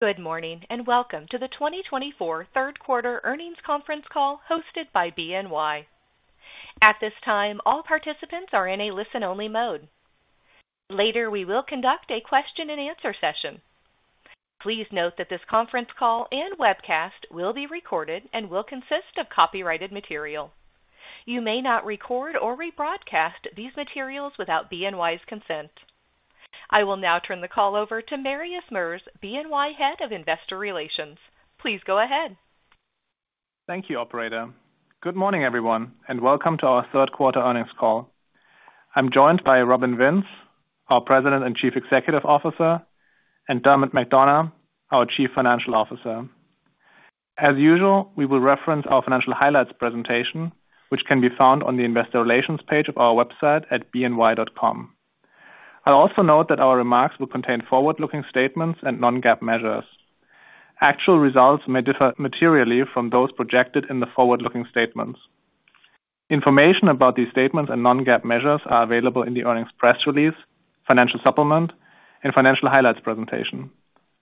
Good morning, and welcome to the 2024 Q3 Earnings Conference Call Hosted by BNY. At this time, all participants are in a listen-only mode. Later, we will conduct a question-and-answer session. Please note that this conference call and webcast will be recorded and will consist of copyrighted material. You may not record or rebroadcast these materials without BNY's consent. I will now turn the call over to Marius Merz, BNY Head of Investor Relations. Please go ahead. Thank you, operator. Good morning, everyone, and welcome to our Q3 earnings call. I'm joined by Robin Vince, our President and Chief Executive Officer, and Dermot McDonagh, our Chief Financial Officer. As usual, we will reference our financial highlights presentation, which can be found on the investor relations page of our website at bny.com. I'll also note that our remarks will contain forward-looking statements and non-GAAP measures. Actual results may differ materially from those projected in the forward-looking statements. Information about these statements and non-GAAP measures are available in the earnings press release, financial supplement, and financial highlights presentation,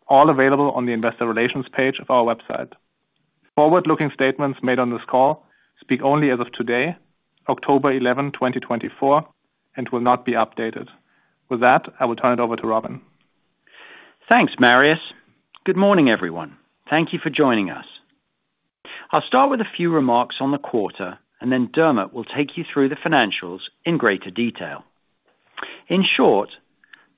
all available on the investor relations page of our website. Forward-looking statements made on this call speak only as of today, 11 October 2024, and will not be updated. With that, I will turn it over to Robin. Thanks, Marius. Good morning, everyone. Thank you for joining us. I'll start with a few remarks on the quarter, Dermot will take you through the financials in greater detail. In short,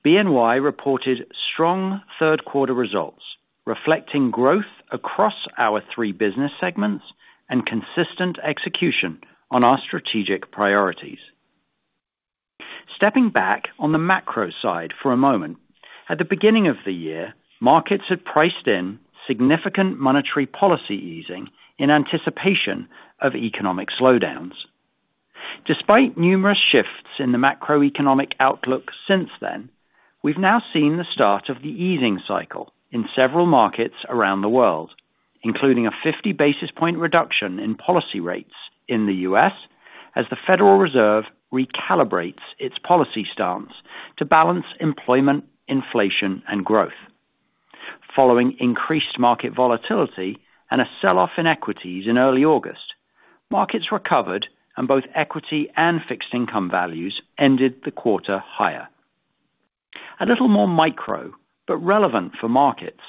BNY reported strong third-quarter results, reflecting growth across our three business segments and consistent execution on our strategic priorities. Stepping back on the macro side for a moment, at the beginning of the year, markets had priced in significant monetary policy easing in anticipation of economic slowdowns. Despite numerous shifts in the macroeconomic outlook since then, we've now seen the start of the easing cycle in several markets around the world, including a fifty basis point reduction in policy rates in the U.S., as the Federal Reserve recalibrates its policy stance to balance employment, inflation, and growth. Following increased market volatility and a sell-off in equities in early August, markets recovered and both equity and fixed income values ended the quarter higher. A little more micro, but relevant for markets.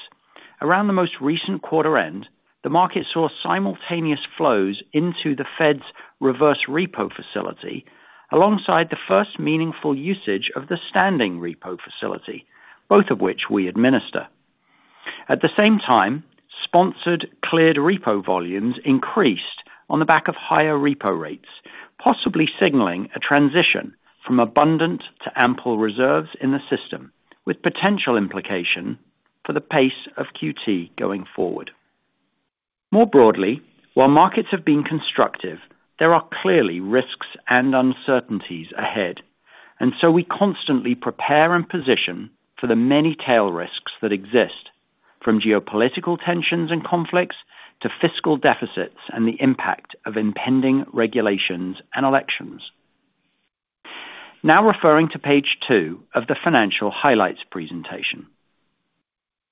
Around the most recent quarter end, the market saw simultaneous flows into the Fed's reverse repo facility, alongside the first meaningful usage of the standing repo facility, both of which we administer. At the same time, sponsored, cleared repo volumes increased on the back of higher repo rates, possibly signaling a transition from abundant to ample reserves in the system, with potential implication for the pace of QT going forward. More broadly, while markets have been constructive, there are clearly risks and uncertainties ahead, we constantly prepare and position for the many tail risks that exist, from geopolitical tensions and conflicts to fiscal deficits and the impact of impending regulations and elections. Now referring to page two of the financial highlights presentation.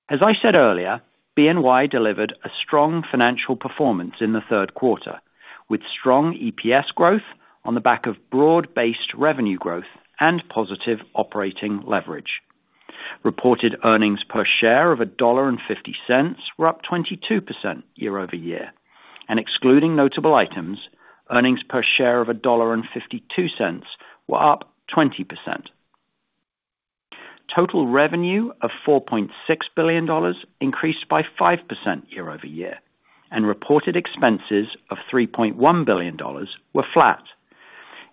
As I said earlier, BNY delivered a strong financial performance in Q3, with strong EPS growth on the back of broad-based revenue growth and positive operating leverage. Reported earnings per share of $1.50 were up 22% year-over-year, and excluding notable items, earnings per share of $1.52 were up 20%. Total revenue of $4.6 billion increased by 5% year-over-year, and reported expenses of $3.1 billion were flat.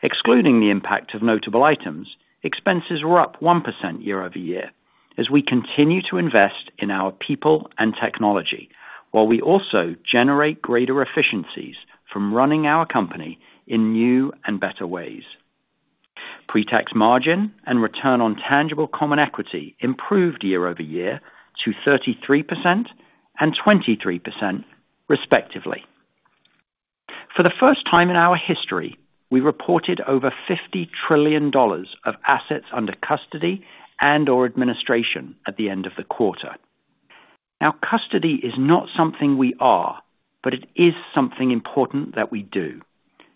Excluding the impact of notable items, expenses were up 1% year-over-year as we continue to invest in our people and technology, while we also generate greater efficiencies from running our company in new and better ways. Pre-tax margin and return on tangible common equity improved year-over-year to 33% and 23%, respectively. For the first time in our history, we reported over $50 trillion of assets under custody and/or administration at the end of the quarter. Now, custody is not something we are, but it is something important that we do.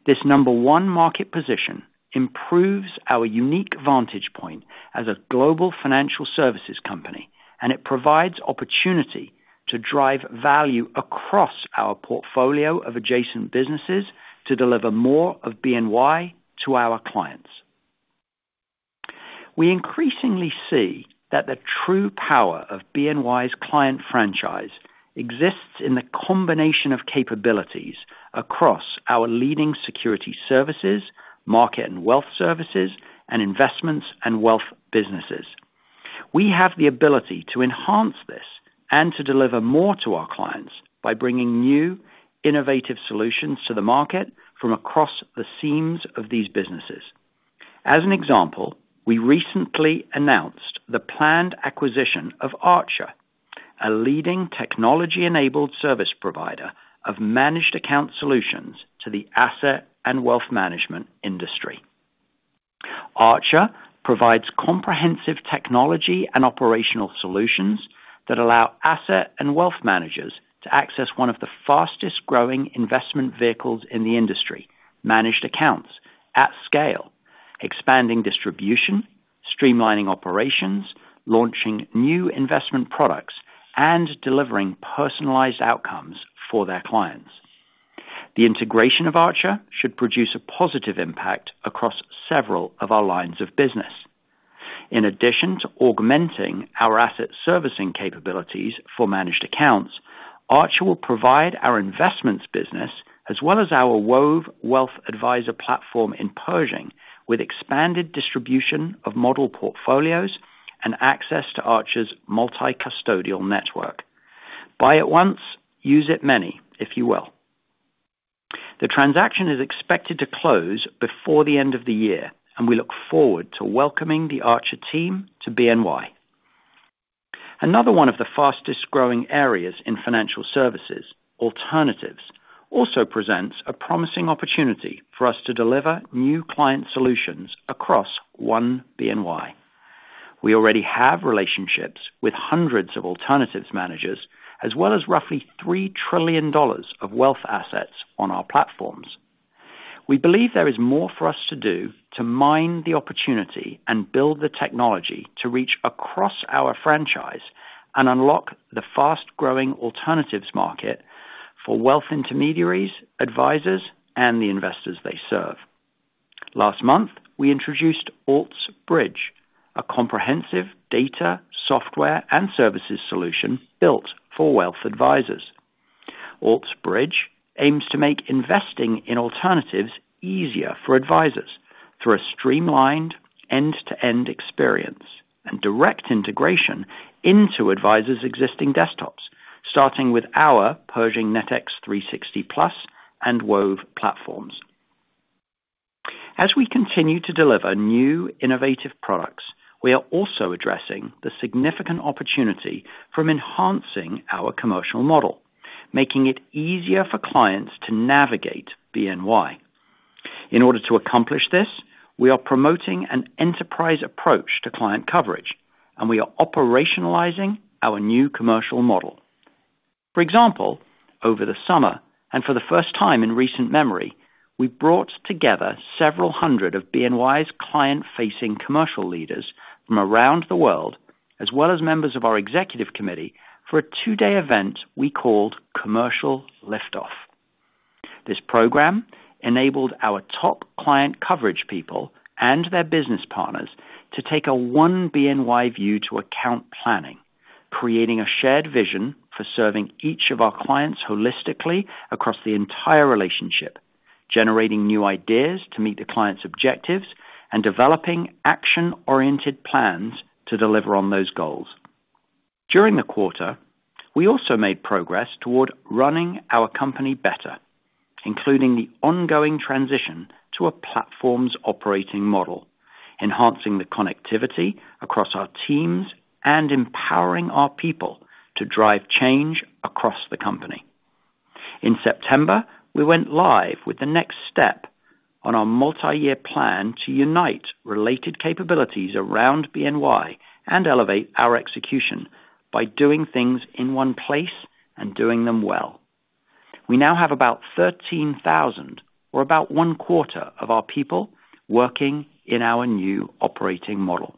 This number one market position improves our unique vantage point as a global financial services company, and it provides opportunity to drive value across our portfolio of adjacent businesses to deliver more of BNY to our clients. We increasingly see that the true power of BNY's client franchise exists in the combination of capabilities across our leading security services, market and wealth services, and investments and wealth businesses. We have the ability to enhance this and to deliver more to our clients by bringing new, innovative solutions to the market from across the seams of these businesses. As an example, we recently announced the planned acquisition of Archer, a leading technology-enabled service provider of managed account solutions to the asset and Wealth Management industry. Archer provides comprehensive technology and operational solutions that allow asset and wealth managers to access one of the fastest-growing investment vehicles in the industry, managed accounts at scale, expanding distribution, streamlining operations, launching new investment products, and delivering personalized outcomes for their clients. The integration of Archer should produce a positive impact across several of our lines of business. In addition to augmenting our Asset Servicing capabilities for managed accounts, Archer will provide our investments business, as well as our Wove wealth advisor platform in Pershing, with expanded distribution of model portfolios and access to Archer's multi-custodial network. Buy it once, use it many, if you will. The transaction is expected to close before the end of the year, and we look forward to welcoming the Archer team to BNY. Another one of the fastest-growing areas in financial services, alternatives, also presents a promising opportunity for us to deliver new client solutions across One BNY. We already have relationships with hundreds of alternatives managers, as well as roughly $3 trillion of wealth assets on our platforms. We believe there is more for us to do to mine the opportunity and build the technology to reach across our franchise and unlock the fast-growing alternatives market for wealth intermediaries, advisors, and the investors they serve. Last month, we introduced Alts Bridge, a comprehensive data, software, and services solution built for wealth advisors. Alts Bridge aims to make investing in alternatives easier for advisors through a streamlined end-to-end experience and direct integration into advisors' existing desktops, starting with our Pershing NetX360+ and Wove platforms. As we continue to deliver new innovative products, we are also addressing the significant opportunity from enhancing our commercial model, making it easier for clients to navigate BNY. In order to accomplish this, we are promoting an enterprise approach to client coverage, and we are operationalizing our new commercial model. For example, over the summer, and for the first time in recent memory, we brought together several hundred of BNY's client-facing commercial leaders from around the world, as well as members of our executive committee, for a two-day event we called Commercial Liftoff. This program enabled our top client coverage people and their business partners to take a one BNY view to account planning, creating a shared vision for serving each of our clients holistically across the entire relationship, generating new ideas to meet the client's objectives, and developing action-oriented plans to deliver on those goals. During the quarter, we also made progress toward running our company better, including the ongoing transition to a platform's operating model, enhancing the connectivity across our teams, and empowering our people to drive change across the company. In September, we went live with the next step on our multi-year plan to unite related capabilities around BNY and elevate our execution by doing things in one place and doing them well. We now have about 13,000, or about one quarter of our people, working in our new operating model.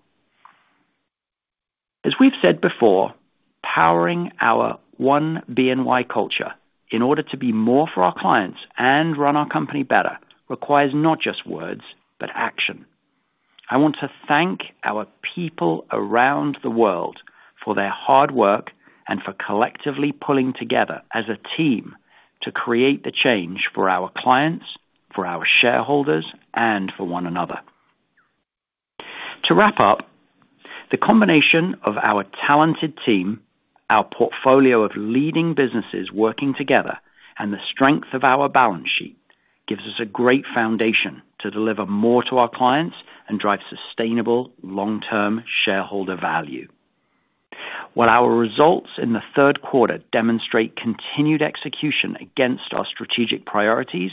As we've said before, powering our one BNY culture in order to be more for our clients and run our company better, requires not just words, but action. I want to thank our people around the world for their hard work and for collectively pulling together as a team to create the change for our clients, for our shareholders, and for one another. To wrap up, the combination of our talented team, our portfolio of leading businesses working together, and the strength of our balance sheet, gives us a great foundation to deliver more to our clients and drive sustainable, long-term shareholder value. While our results in Q3 demonstrate continued execution against our strategic priorities,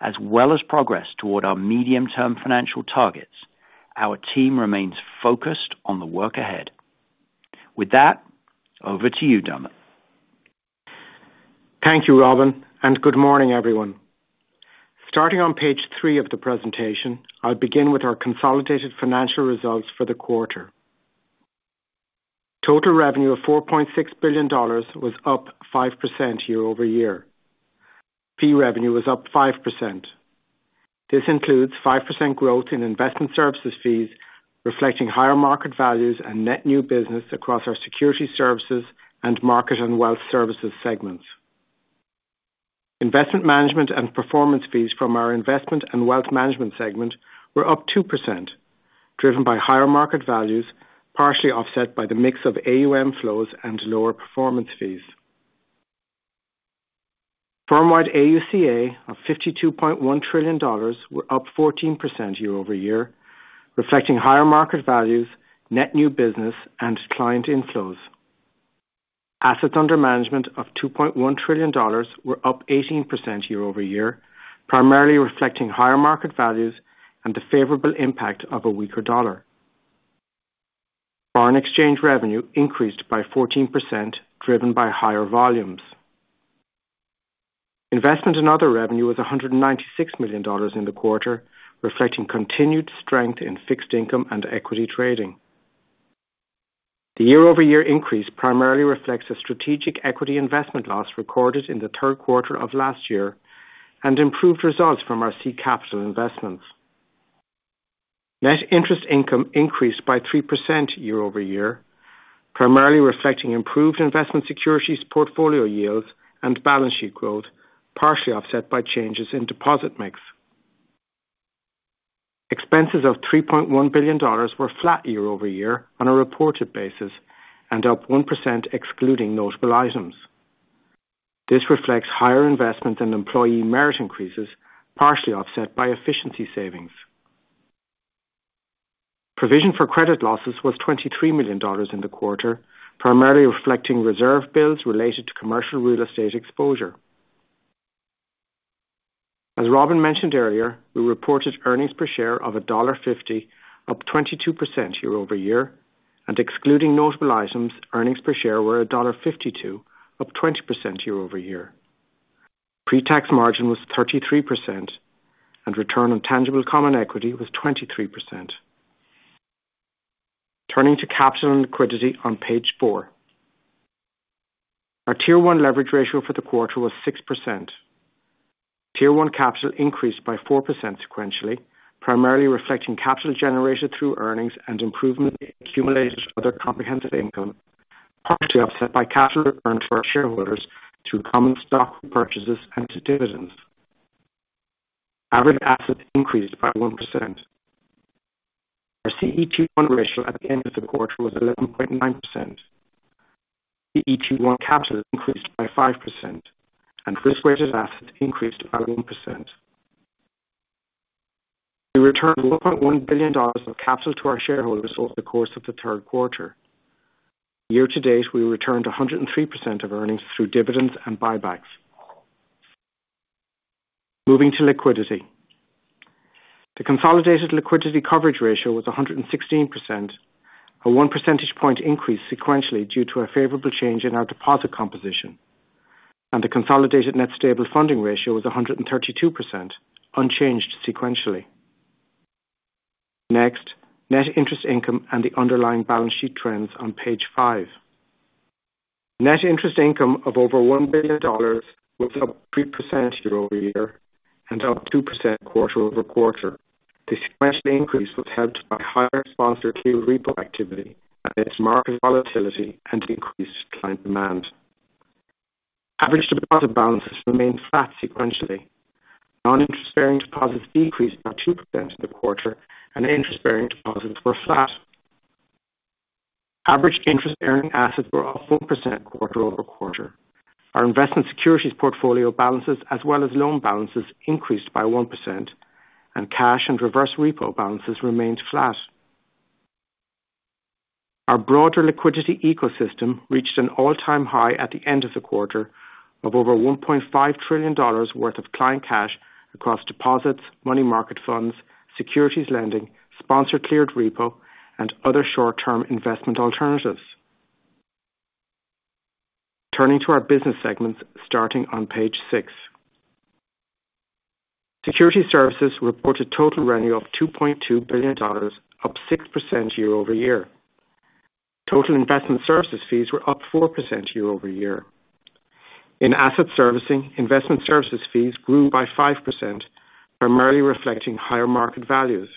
as well as progress toward our medium-term financial targets, our team remains focused on the work ahead. With that, over to you, Dermot. Thank you, Robin, and good morning, everyone. Starting on page three of the presentation, I'll begin with our consolidated financial results for the quarter. Total revenue of $4.6 billion was up 5% year-over-year. Fee revenue was up 5%. This includes 5% growth in investment services fees, reflecting higher market values and net new business across our security services and market and wealth services segments. Investment Management and performance fees from our Investment and Wealth Management segment were up 2%, driven by higher market values, partially offset by the mix of AUM flows and lower performance fees. Firm-wide AUA of $52.1 trillion were up 14% year-over-year, reflecting higher market values, net new business, and client inflows. Assets under management of $2.1 trillion were up 18% year-over-year, primarily reflecting higher market values and the favorable impact of a weaker dollar. Foreign exchange revenue increased by 14%, driven by higher volumes. Investment and other revenue was $196 million in the quarter, reflecting continued strength in fixed income and equity trading. The year-over-year increase primarily reflects a strategic equity investment loss recorded in Q3 of last year and improved results from our seed capital investments. Net interest income increased by 3% year-over-year, primarily reflecting improved investment securities portfolio yields and balance sheet growth, partially offset by changes in deposit mix. Expenses of $3.1 billion were flat year-over-year on a reported basis, and up 1% excluding notable items. This reflects higher investment and employee merit increases, partially offset by efficiency savings. Provision for credit losses was $23 million in the quarter, primarily reflecting reserve builds related to commercial real estate exposure. As Robin mentioned earlier, we reported earnings per share of $1.50, up 22% year-over-year, and excluding notable items, earnings per share were $1.52, up 20% year-over-year. Pre-tax margin was 33%, and return on tangible common equity was 23%. Turning to capital and liquidity on page four. Our Tier 1 leverage ratio for the quarter was 6%. Tier 1 capital increased by 4% sequentially, primarily reflecting capital generated through earnings and improvement in accumulated other comprehensive income, partially offset by cash returned to our shareholders through common stock purchases and to dividends. Average assets increased by 1%. Our CET1 ratio at the end of the quarter was 11.9%. CET1 capital increased by 5%, and risk-weighted assets increased by 1%. We returned $1.1 billion of capital to our shareholders over the course of Q3. Year to date, we returned 103% of earnings through dividends and buybacks. Moving to liquidity. The consolidated liquidity coverage ratio was 116%, a one percentage point increase sequentially, due to a favorable change in our deposit composition, and the consolidated net stable funding ratio was 132%, unchanged sequentially. Next, net interest income and the underlying balance sheet trends on page five. Net interest income of over $1 billion was up 3% year-over-year and up 2% quarter over quarter. The sequential increase was helped by higher sponsor-cleared repo activity, amidst market volatility and increased client demand. Average deposit balances remained flat sequentially. Non-interest-bearing deposits decreased by 2% in the quarter, and interest-bearing deposits were flat. Average interest-earning assets were up 4% quarter over quarter. Our investment securities portfolio balances, as well as loan balances, increased by 1%, and cash and reverse repo balances remained flat. Our broader liquidity ecosystem reached an all-time high at the end of the quarter of over $1.5 trillion worth of client cash across deposits, money market funds, securities lending, sponsor-cleared repo, and other short-term investment alternatives. Turning to our business segments, starting on page six. Securities Services reported total revenue of $2.2 billion, up 6% year-over-year. Total investment services fees were up 4% year-over-year. In asset servicing, investment services fees grew by 5%, primarily reflecting higher market values.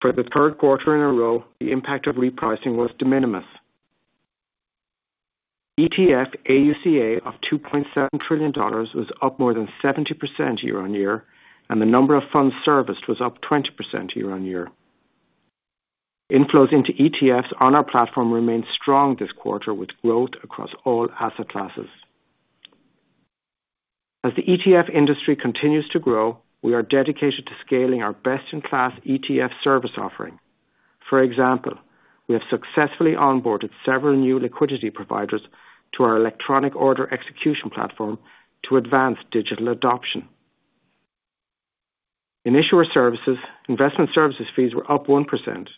For Q3 in a row, the impact of repricing was de minimis. ETF AUCA of $2.7 trillion was up more than 70% year on year, and the number of funds serviced was up 20% year on year. Inflows into ETFs on our platform remained strong this quarter, with growth across all asset classes. As the ETF industry continues to grow, we are dedicated to scaling our best-in-class ETF service offering. For example, we have successfully onboarded several new liquidity providers to our electronic order execution platform to advance digital adoption. In Issuer Services, investment services fees were up 1%.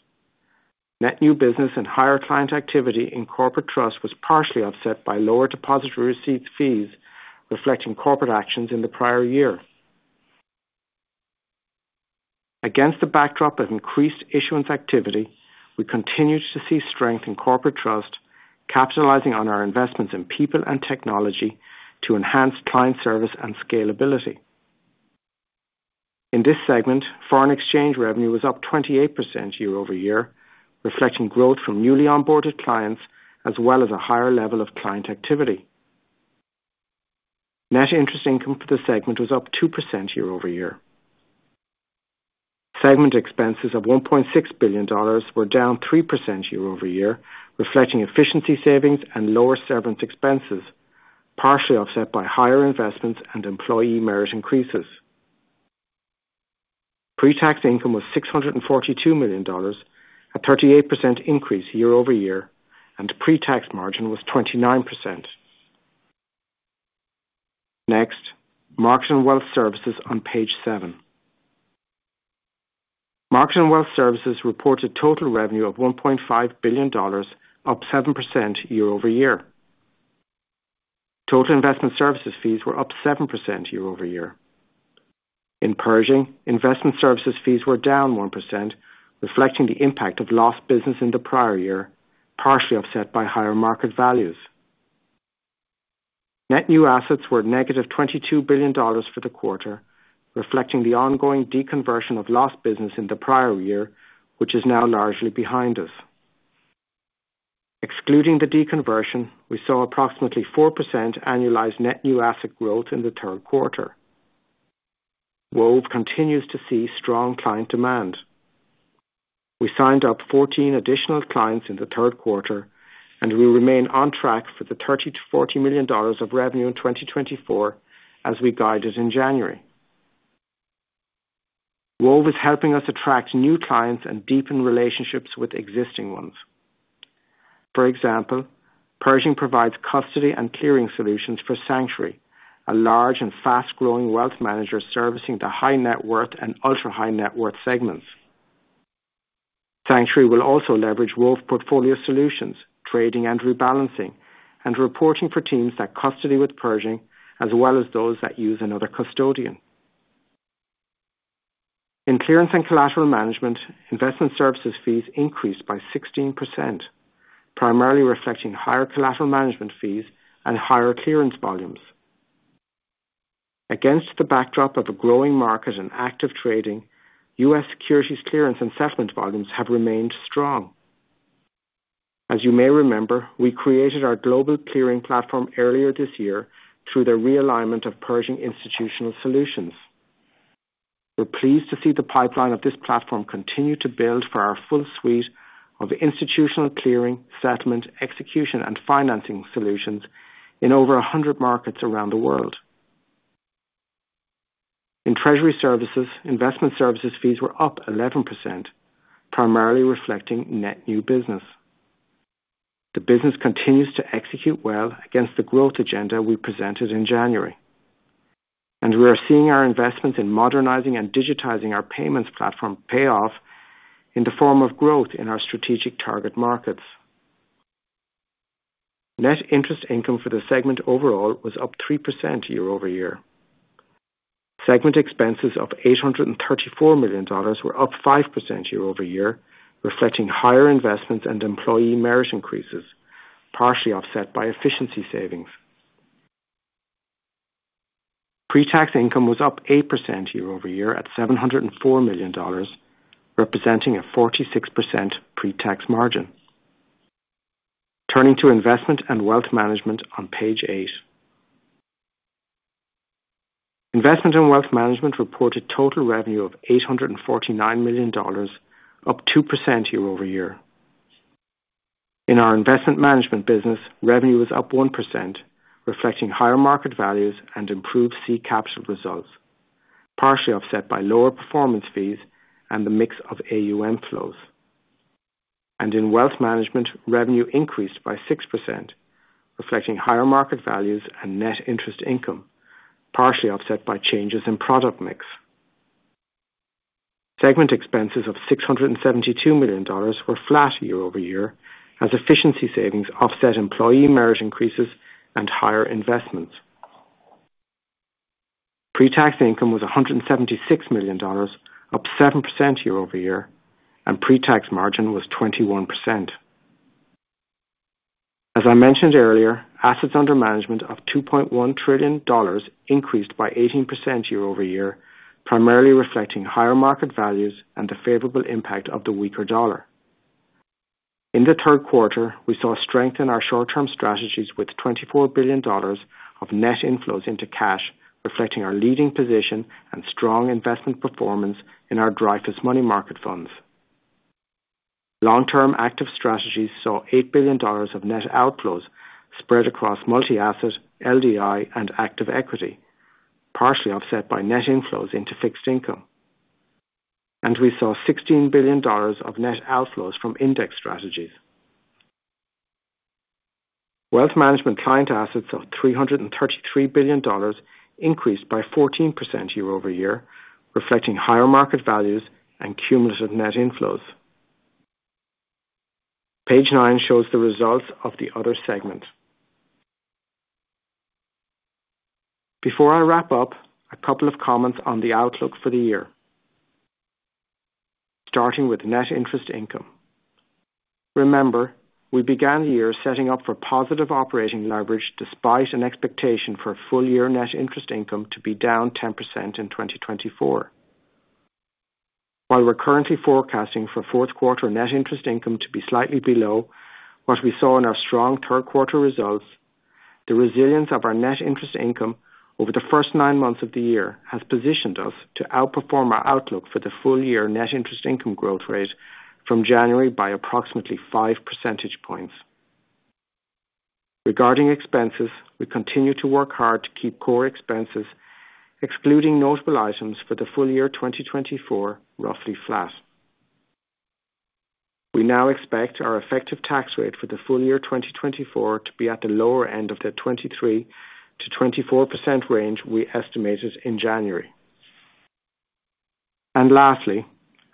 Net new business and higher client activity in Corporate Trust was partially offset by lower depositary receipts fees, reflecting corporate actions in the prior year. Against the backdrop of increased issuance activity, we continued to see strength in corporate trust, capitalizing on our investments in people and technology to enhance client service and scalability. In this segment, foreign exchange revenue was up 28% year-over-year, reflecting growth from newly onboarded clients, as well as a higher level of client activity. Net interest income for the segment was up 2% year-over-year. Segment expenses of $1.6 billion were down 3% year-over-year, reflecting efficiency savings and lower severance expenses, partially offset by higher investments and employee merit increases. Pre-tax income was $642 million, a 38% increase year-over-year, and pre-tax margin was 29%. Next, Markets and Wealth Services on page seven. Markets and Wealth Services reported total revenue of $1.5 billion, up 7% year-over-year. Total investment services fees were up 7% year-over-year. In Pershing, investment services fees were down 1%, reflecting the impact of lost business in the prior year, partially offset by higher market values. Net new assets were negative $22 billion for the quarter, reflecting the ongoing deconversion of lost business in the prior year, which is now largely behind us. Excluding the deconversion, we saw approximately 4% annualized net new asset growth in Q3. Wove continues to see strong client demand. We signed up 14 additional clients in Q3, and we remain on track for the $30 to 40 million of revenue in 2024 as we guided in January. Wove is helping us attract new clients and deepen relationships with existing ones. For example, Pershing provides custody and clearing solutions for Sanctuary, a large and fast-growing wealth manager servicing the high net worth and ultra high net worth segments. Sanctuary will also leverage Wove portfolio solutions, trading and rebalancing, and reporting for teams that custody with Pershing, as well as those that use another custodian. In Clearance and Collateral Management, investment services fees increased by 16%, primarily reflecting higher collateral management fees and higher clearance volumes. Against the backdrop of a growing market and active trading, U.S. securities clearance and settlement volumes have remained strong. As you may remember, we created our global clearing platform earlier this year through the realignment of Pershing Institutional Solutions. We're pleased to see the pipeline of this platform continue to build for our full suite of institutional clearing, settlement, execution, and financing solutions in over a hundred markets around the world. In Treasury Services, investment services fees were up 11%, primarily reflecting net new business. The business continues to execute well against the growth agenda we presented in January, and we are seeing our investments in modernizing and digitizing our payments platform pay off in the form of growth in our strategic target markets. Net interest income for the segment overall was up 3% year-over-year. Segment expenses of $834 million were up 5% year-over-year, reflecting higher investments and employee merit increases, partially offset by efficiency savings. Pre-tax income was up 8% year-over-year at $704 million, representing a 46% pre-tax margin. Turning to investment and wealth management on page eight. Investment and wealth management reported total revenue of $849 million, up 2% year-over-year. In our investment management business, revenue was up 1%, reflecting higher market values and improved CET1 capital results, partially offset by lower performance fees and the mix of AUM flows. In wealth management, revenue increased by 6%, reflecting higher market values and net interest income, partially offset by changes in product mix. Segment expenses of $672 million were flat year-over-year, as efficiency savings offset employee merit increases and higher investments. Pre-tax income was $176 million, up 7% year-over-year, and pre-tax margin was 21%. As I mentioned earlier, assets under management of $2.1 trillion increased by 18% year-over-year, primarily reflecting higher market values and the favorable impact of the weaker dollar. In Q3, we saw strength in our short-term strategies with $24 billion of net inflows into cash, reflecting our leading position and strong investment performance in our Dreyfus Money Market Funds. Long-term active strategies saw $8 billion of net outflows spread across multi-asset, LDI, and active equity, partially offset by net inflows into fixed income. We saw $16 billion of net outflows from index strategies. Wealth management client assets of $333 billion increased by 14% year-over-year, reflecting higher market values and cumulative net inflows. Page nine shows the results of the other segment. Before I wrap up, a couple of comments on the outlook for the year. Starting with net interest income. Remember, we began the year setting up for positive operating leverage, despite an expectation for full year net interest income to be down 10% in 2024. While we're currently forecasting for Q4 net interest income to be slightly below what we saw in our strong Q3 results, the resilience of our net interest income over the first nine months of the year has positioned us to outperform our outlook for the full year net interest income growth rate from January by approximately five percentage points. Regarding expenses, we continue to work hard to keep core expenses, excluding notable items for the full year 2024, roughly flat. We now expect our effective tax rate for the full year 2024 to be at the lower end of the 23% to 24% range we estimated in January. Lastly,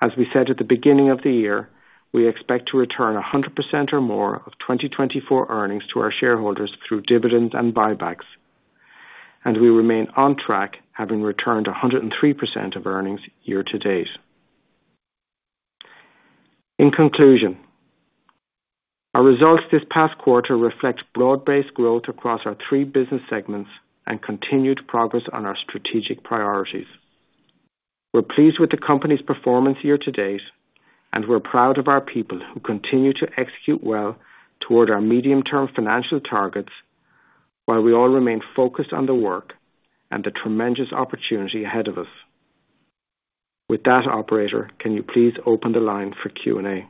as we said at the beginning of the year, we expect to return 100% or more of 2024 earnings to our shareholders through dividends and buybacks, and we remain on track, having returned 103% of earnings year to date. In conclusion, our results this past quarter reflect broad-based growth across our three business segments and continued progress on our strategic priorities. We're pleased with the company's performance year to date, and we're proud of our people, who continue to execute well toward our medium-term financial targets, while we all remain focused on the work and the tremendous opportunity ahead of us. With that, operator, can you please open the line for Q&A?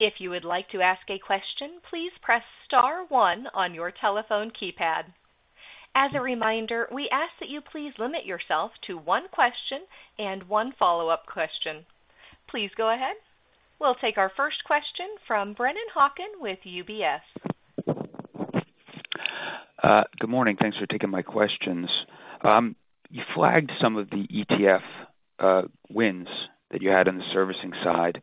If you would like to ask a question, please press star one on your telephone keypad. As a reminder, we ask that you please limit yourself to one question and one follow-up question. Please go ahead. We'll take our first question from Brennan Hawken with BMO. Good morning. Thanks for taking my questions. You flagged some of the ETF wins that you had on the servicing side.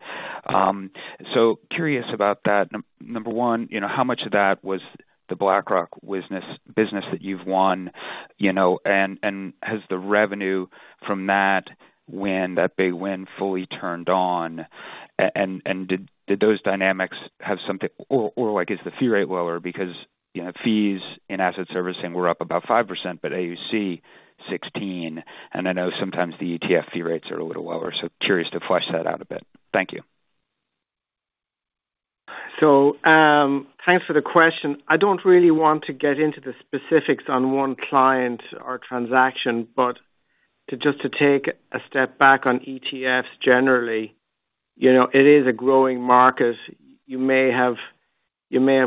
Curious about that. Number one, you know, how much of that was the BlackRock business that you've won, you know, and has the revenue from that win, that big win, fully turned on, and did those dynamics have something. Or like, is the fee rate lower? Because, you know, fees in asset servicing were up about 5%, but AUC 16%, and I know sometimes the ETF fee rates are a little lower, Curious to flesh that out a bit. Thank you. Thanks for the question. I don't really want to get into the specifics on one client or transaction, but just to take a step back on ETFs, generally, you know, it is a growing market. You may have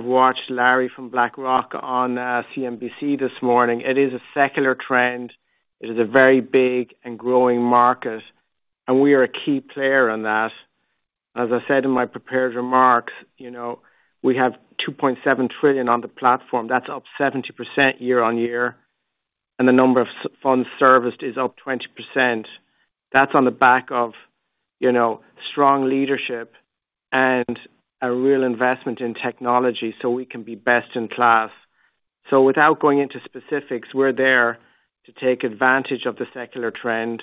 watched Larry from BlackRock on CNBC this morning. It is a secular trend. It is a very big and growing market, and we are a key player in that. As I said in my prepared remarks, you know, we have 2.7 trillion on the platform. That's up 70% year on year, and the number of funds serviced is up 20%. That's on the back of, you know, strong leadership and a real investment in technology so we can be best in class. Without going into specifics, we're there to take advantage of the secular trend,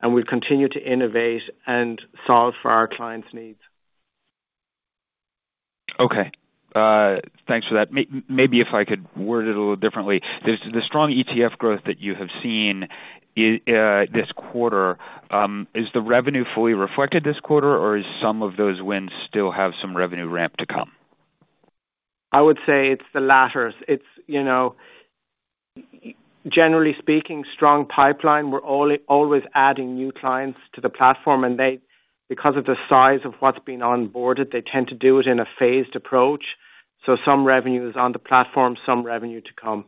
and we'll continue to innovate and solve for our clients' needs. Okay, thanks for that. Maybe if I could word it a little differently. The strong ETF growth that you have seen in this quarter, is the revenue fully reflected this quarter, or is some of those wins still have some revenue ramp to come? I would say it's the latter. It's, you know, generally speaking, strong pipeline. We're always adding new clients to the platform, and they, because of the size of what's been onboarded, they tend to do it in a phased approach. Some revenue is on the platform, some revenue to come.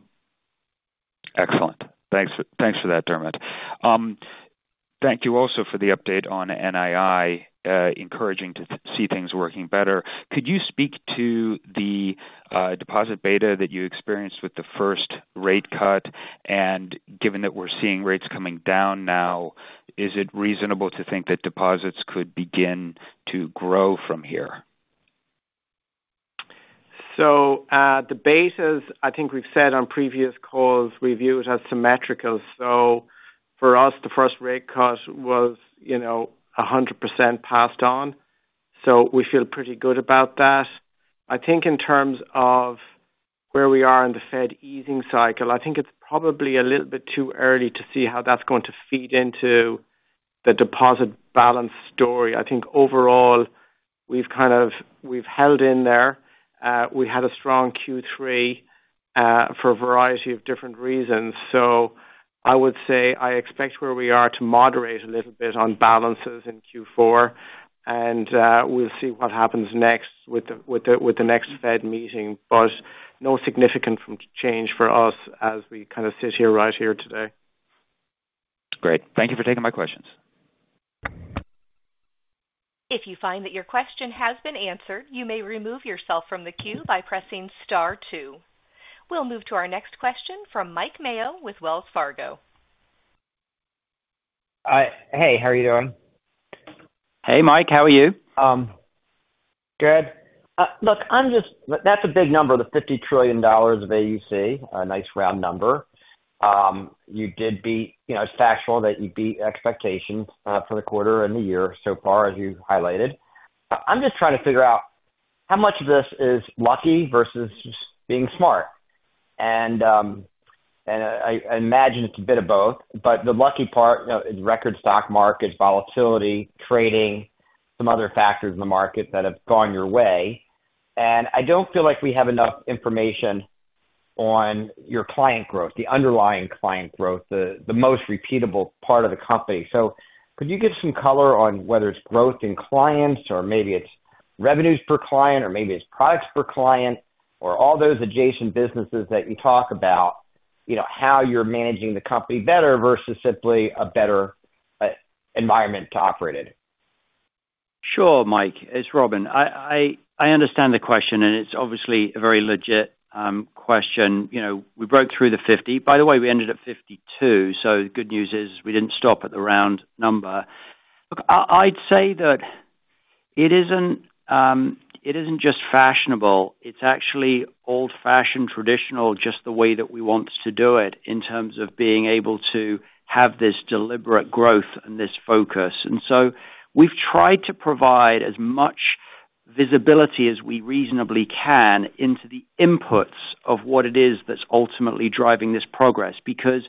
Excellent. Thanks for that, Dermot. Thank you also for the update on NII. Encouraging to see things working better. Could you speak to the deposit beta that you experienced with the first rate cut? Given that we're seeing rates coming down now, is it reasonable to think that deposits could begin to grow from here? The betas, I think we've said on previous calls, we view it as symmetrical. For us, the first rate cut was, you know, 100% passed on, so we feel pretty good about that. I think in terms of where we are in the Fed easing cycle, I think it's probably a little bit too early to see how that's going to feed into the deposit balance story. I think overall, we've kind of, we've held in there. We had a strong Q3, for a variety of different reasons. I would say I expect where we are to moderate a little bit on balances in Q4, and, we'll see what happens next with the next Fed meeting. No significant change for us as we kind of sit here, right here today. Great. Thank you for taking my questions. If you find that your question has been answered, you may remove yourself from the queue by pressing star two. We'll move to our next question from Mike Mayo with Wells Fargo. Hey, how are you doing? Hey, Mike, how are you? Good. Look, I'm just... That's a big number, the $50 trillion of AUC. A nice round number. You did beat, you know, it's factual that you beat expectations, for the quarter and the year so far, as you highlighted. I'm just trying to figure out, how much of this is lucky versus just being smart? I imagine it's a bit of both, but the lucky part, you know, is record stock market volatility, trading, some other factors in the market that have gone your way. I don't feel like we have enough information on your client growth, the underlying client growth, the most repeatable part of the company. Could you give some color on whether it's growth in clients or maybe it's revenues per client, or maybe it's products per client, or all those adjacent businesses that you talk about, you know, how you're managing the company better versus simply a better environment to operate in? Sure, Mike, it's Robin. I understand the question, and it's obviously a very legit question. You know, we broke through the 50. By the way, we ended at 52, so the good news is we didn't stop at the round number. Look, I'd say that it isn't just fashionable. It's actually old-fashioned, traditional, just the way that we want to do it in terms of being able to have this deliberate growth and this focus. We've tried to provide as much visibility as we reasonably can into the inputs of what it is that's ultimately driving this progress. Because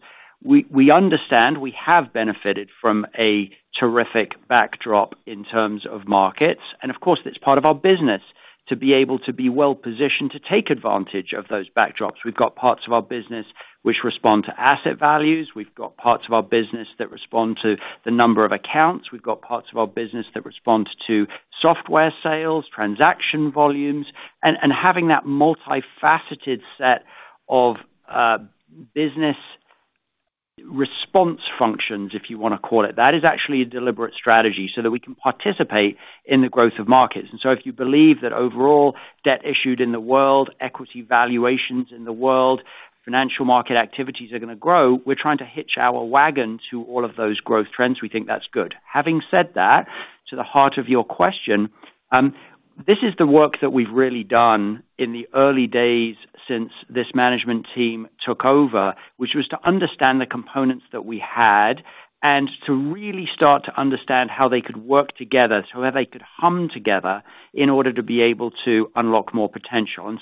we understand we have benefited from a terrific backdrop in terms of markets, and of course, that's part of our business, to be able to be well-positioned to take advantage of those backdrops. We've got parts of our business which respond to asset values. We've got parts of our business that respond to the number of accounts. We've got parts of our business that respond to software sales, transaction volumes, and having that multifaceted set of business response functions, if you wanna call it, that is actually a deliberate strategy so that we can participate in the growth of markets. If you believe that overall debt issued in the world, equity valuations in the world, financial market activities are gonna grow, we're trying to hitch our wagon to all of those growth trends. We think that's good. Having said that, to the heart of your question, this is the work that we've really done in the early days since this management team took over, which was to understand the components that we had and to really start to understand how they could work together, how they could hum together in order to be able to unlock more potential.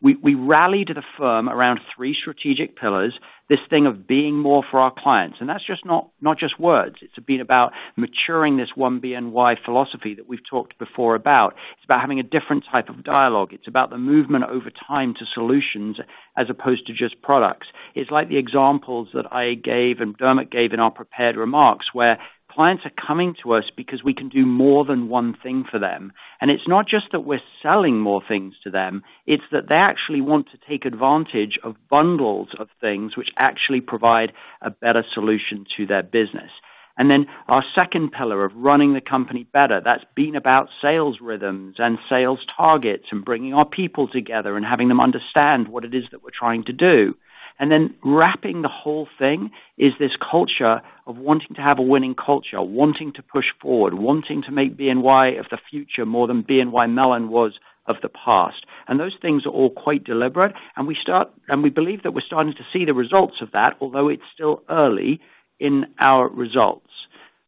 We rallied the firm around three strategic pillars, this thing of being more for our clients, and that's just not, not just words. It's been about maturing this one BNY philosophy that we've talked before about. It's about having a different type of dialogue. It's about the movement over time to solutions as opposed to just products. It's like the examples that I gave and Dermot gave in our prepared remarks, where clients are coming to us because we can do more than one thing for them, and it's not just that we're selling more things to them, it's that they actually want to take advantage of bundles of things which actually provide a better solution to their business, and then Our second pillar of running the company better, that's been about sales rhythms and sales targets and bringing our people together and having them understand what it is that we're trying to do, and then wrapping the whole thing is this culture of wanting to have a winning culture, wanting to push forward, wanting to make BNY of the future more than BNY Mellon was of the past. Those things are all quite deliberate, and we believe that we're starting to see the results of that, although it's still early in our results.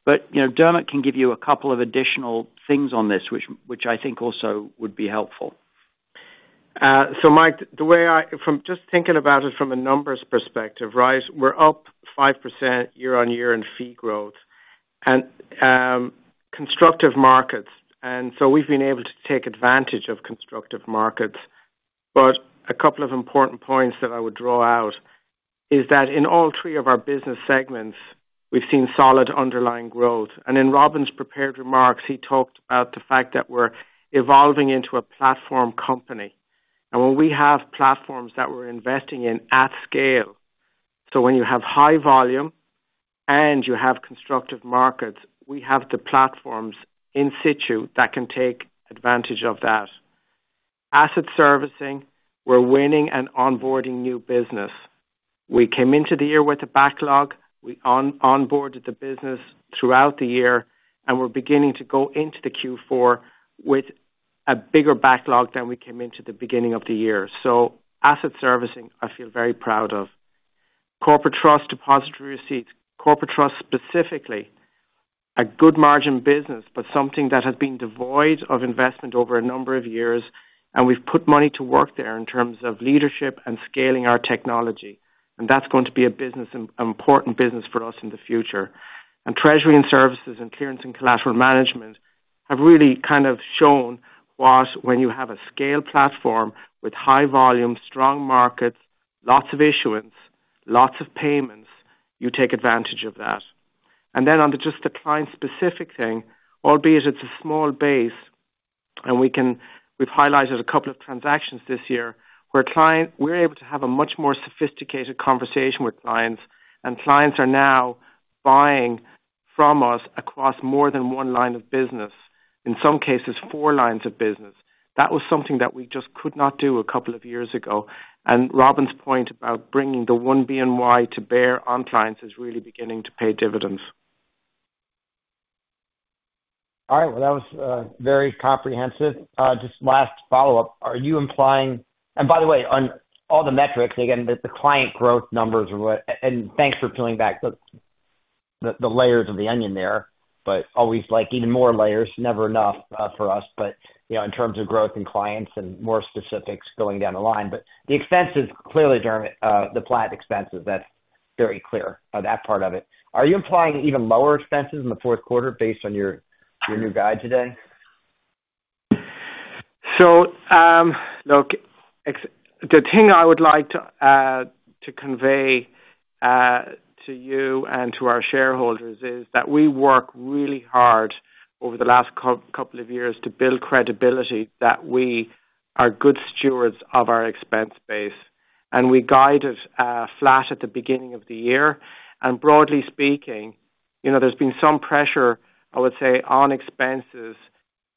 You know, Dermot can give you a couple of additional things on this, which I think also would be helpful. Mike, the way I… From just thinking about it from a numbers perspective, right? We're up 5% year on year in fee growth and constructive markets, we've been able to take advantage of constructive markets, but a couple of important points that I would draw out is that in all three of our business segments, we've seen solid underlying growth. In Robin's prepared remarks, he talked about the fact that we're evolving into a platform company. When we have platforms that we're investing in at scale, when you have high volume and you have constructive markets, we have the platforms in situ that can take advantage of that. In asset servicing, we're winning and onboarding new business. We came into the year with a backlog. We onboarded the business throughout the year, and we're beginning to go into the Q4 with a bigger backlog than we came into the beginning of the year. So asset servicing, I feel very proud of. Corporate trust, depository receipts, corporate trust, specifically, a good margin business, but something that has been devoid of investment over a number of years. We've put money to work there in terms of leadership and scaling our technology, and that's going to be a business, an important business for us in the future. Treasury and services and clearance and collateral management have really kind of shown what, when you have a scale platform with high volume, strong markets, lots of issuance, lots of payments, you take advantage of that. On to just the client-specific thing, albeit it's a small base, and we've highlighted a couple of transactions this year, where we're able to have a much more sophisticated conversation with clients, and clients are now buying from us across more than one line of business, in some cases, four lines of business. That was something that we just could not do a couple of years ago. Robin's point about bringing the one BNY to bear on clients is really beginning to pay dividends. All right. Well, that was very comprehensive. Just last follow-up. Are you implying - and by the way, on all the metrics, again, the client growth numbers are what... and thanks for peeling back the layers of the onion there, but always like even more layers, never enough for us. You know, in terms of growth in clients and more specifics going down the line, but the expenses, clearly, Dermot, the plat expenses, that's very clear, that part of it. Are you implying even lower expenses in the Q4 based on your new guide today? Look, the thing I would like to convey to you and to our shareholders is that we work really hard over the last couple of years to build credibility, that we are good stewards of our expense base, and we guided flat at the beginning of the year. Broadly speaking, you know, there's been some pressure, I would say, on expenses,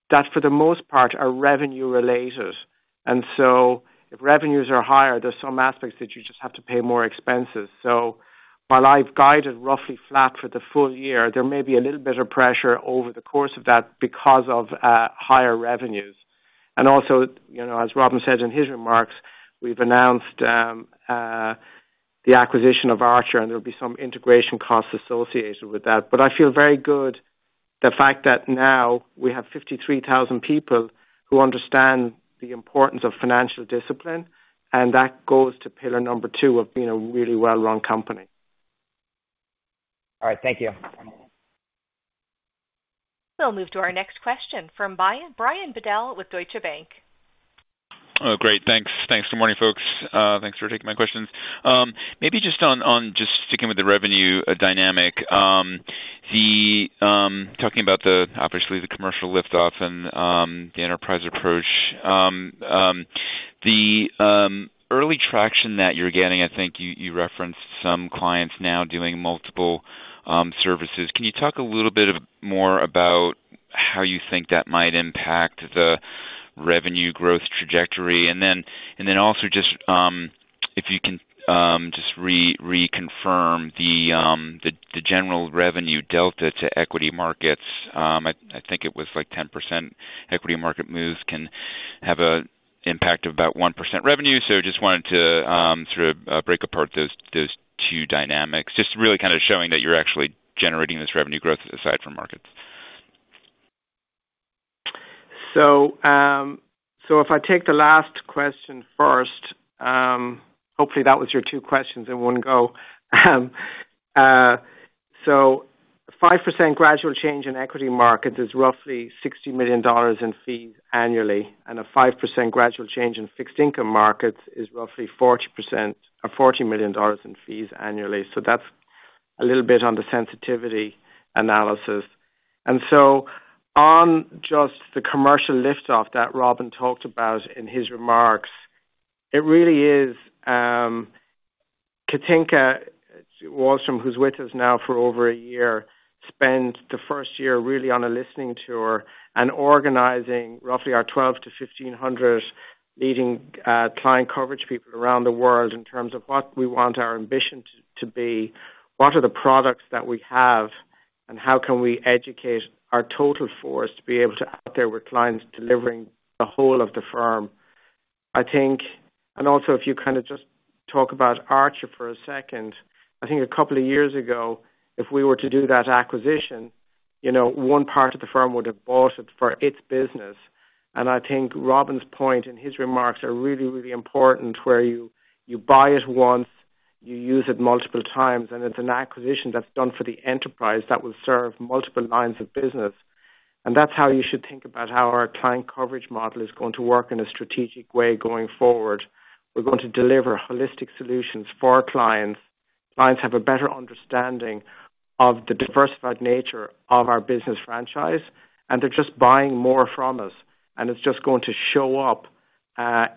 that for the most part, are revenue related. If revenues are higher, there's some aspects that you just have to pay more expenses. While I've guided roughly flat for the full year, there may be a little bit of pressure over the course of that because of higher revenues. Also, you know, as Robin said in his remarks, we've announced the acquisition of Archer, and there'll be some integration costs associated with that. I feel very good the fact that now we have 53,000 people who understand the importance of financial discipline, and that goes to pillar number two of being a really well-run company. All right, thank you. We'll move to our next question from Brian Bedell with Deutsche Bank. Oh, great. Thanks. Thanks. Good morning, folks. Thanks for taking my questions. Maybe just on just sticking with the revenue dynamic, the. Talking about the, obviously, the commercial liftoff and the enterprise approach. The early traction that you're getting, I think you referenced some clients now doing multiple services. Can you talk a little bit more about how you think that might impact the revenue growth trajectory? Also just, if you can, just reconfirm the the general revenue delta to equity markets. I think it was like 10% equity market moves can have an impact of about 1% revenue. Just wanted to sort of break apart those two dynamics, just really kind of showing that you're actually generating this revenue growth aside from markets. If I take the last question first, hopefully that was your two questions in one go. 5% gradual change in equity markets is roughly $60 million in fees annually, and a 5% gradual change in fixed income markets is roughly 40%, or $40 million in fees annually. That's a little bit on the sensitivity analysis. On just the commercial lift-off that Robin talked about in his remarks, it really is Cathinka Wahlstrom, who's with us now for over a year, spent the first year really on a listening tour and organizing roughly our 12 to 15 hundred leading client coverage people around the world in terms of what we want our ambition to be, what are the products that we have, and how can we educate our total force to be able to out there with clients, delivering the whole of the firm. I think. Also, if you kind of just talk about Archer for a second, I think a couple of years ago, if we were to do that acquisition, you know, one part of the firm would have bought it for its business. I think Robin's point in his remarks are really, really important, where you, you buy it once, you use it multiple times, and it's an acquisition that's done for the enterprise that will serve multiple lines of business. That's how you should think about how our client coverage model is going to work in a strategic way going forward. We're going to deliver holistic solutions for our clients. Clients have a better understanding of the diversified nature of our business franchise, and they're just buying more from us, and it's just going to show up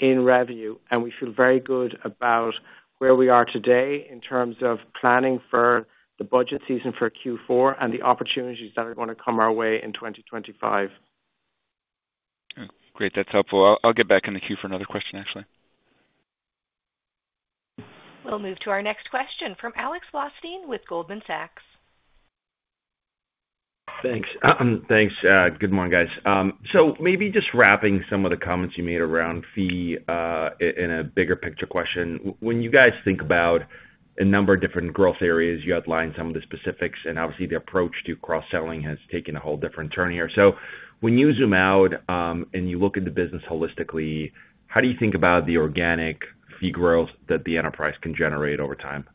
in revenue. We feel very good about where we are today in terms of planning for the budget season for Q4 and the opportunities that are gonna come our way in 2025. Great, that's helpful. I'll get back in the queue for another question, actually. We'll move to our next question from Alexander Blostein with Goldman Sachs. Thanks. Thanks. Good morning, guys, so maybe just wrapping some of the comments you made around fee in a bigger picture question. When you guys think about a number of different growth areas, you outlined some of the specifics, and obviously, the approach to cross-selling has taken a whole different turn here, so when you zoom out, and you look at the business holistically, how do you think about the organic fee growth that the enterprise can generate over time?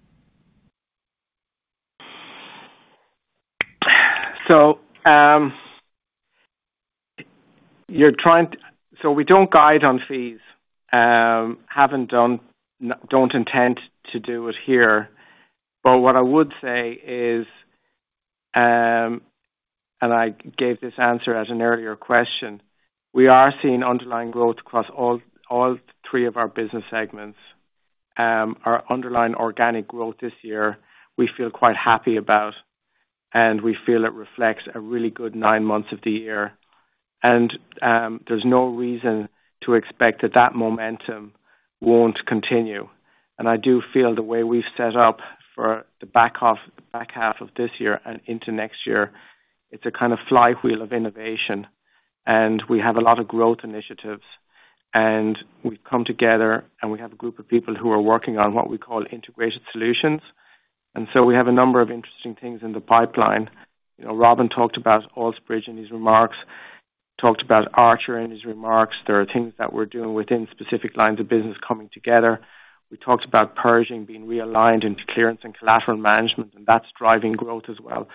We don't guide on fees, haven't done, don't intend to do it here. What I would say is, and I gave this answer as an earlier question, we are seeing underlying growth across all three of our business segments. Our underlying organic growth this year, we feel quite happy about, and we feel it reflects a really good nine months of the year. There's no reason to expect that momentum won't continue. I do feel the way we've set up for the back half of this year and into next year, it's a kind of flywheel of innovation, and we have a lot of growth initiatives. We've come together, and we have a group of people who are working on what we call integrated solutions. We have a number of interesting things in the pipeline. You know, Robin talked about Alts Bridge in his remarks, talked about Archer in his remarks. There are things that we're doing within specific lines of business coming together. We talked about Pershing being realigned into clearance and collateral management, and that's driving growth as well.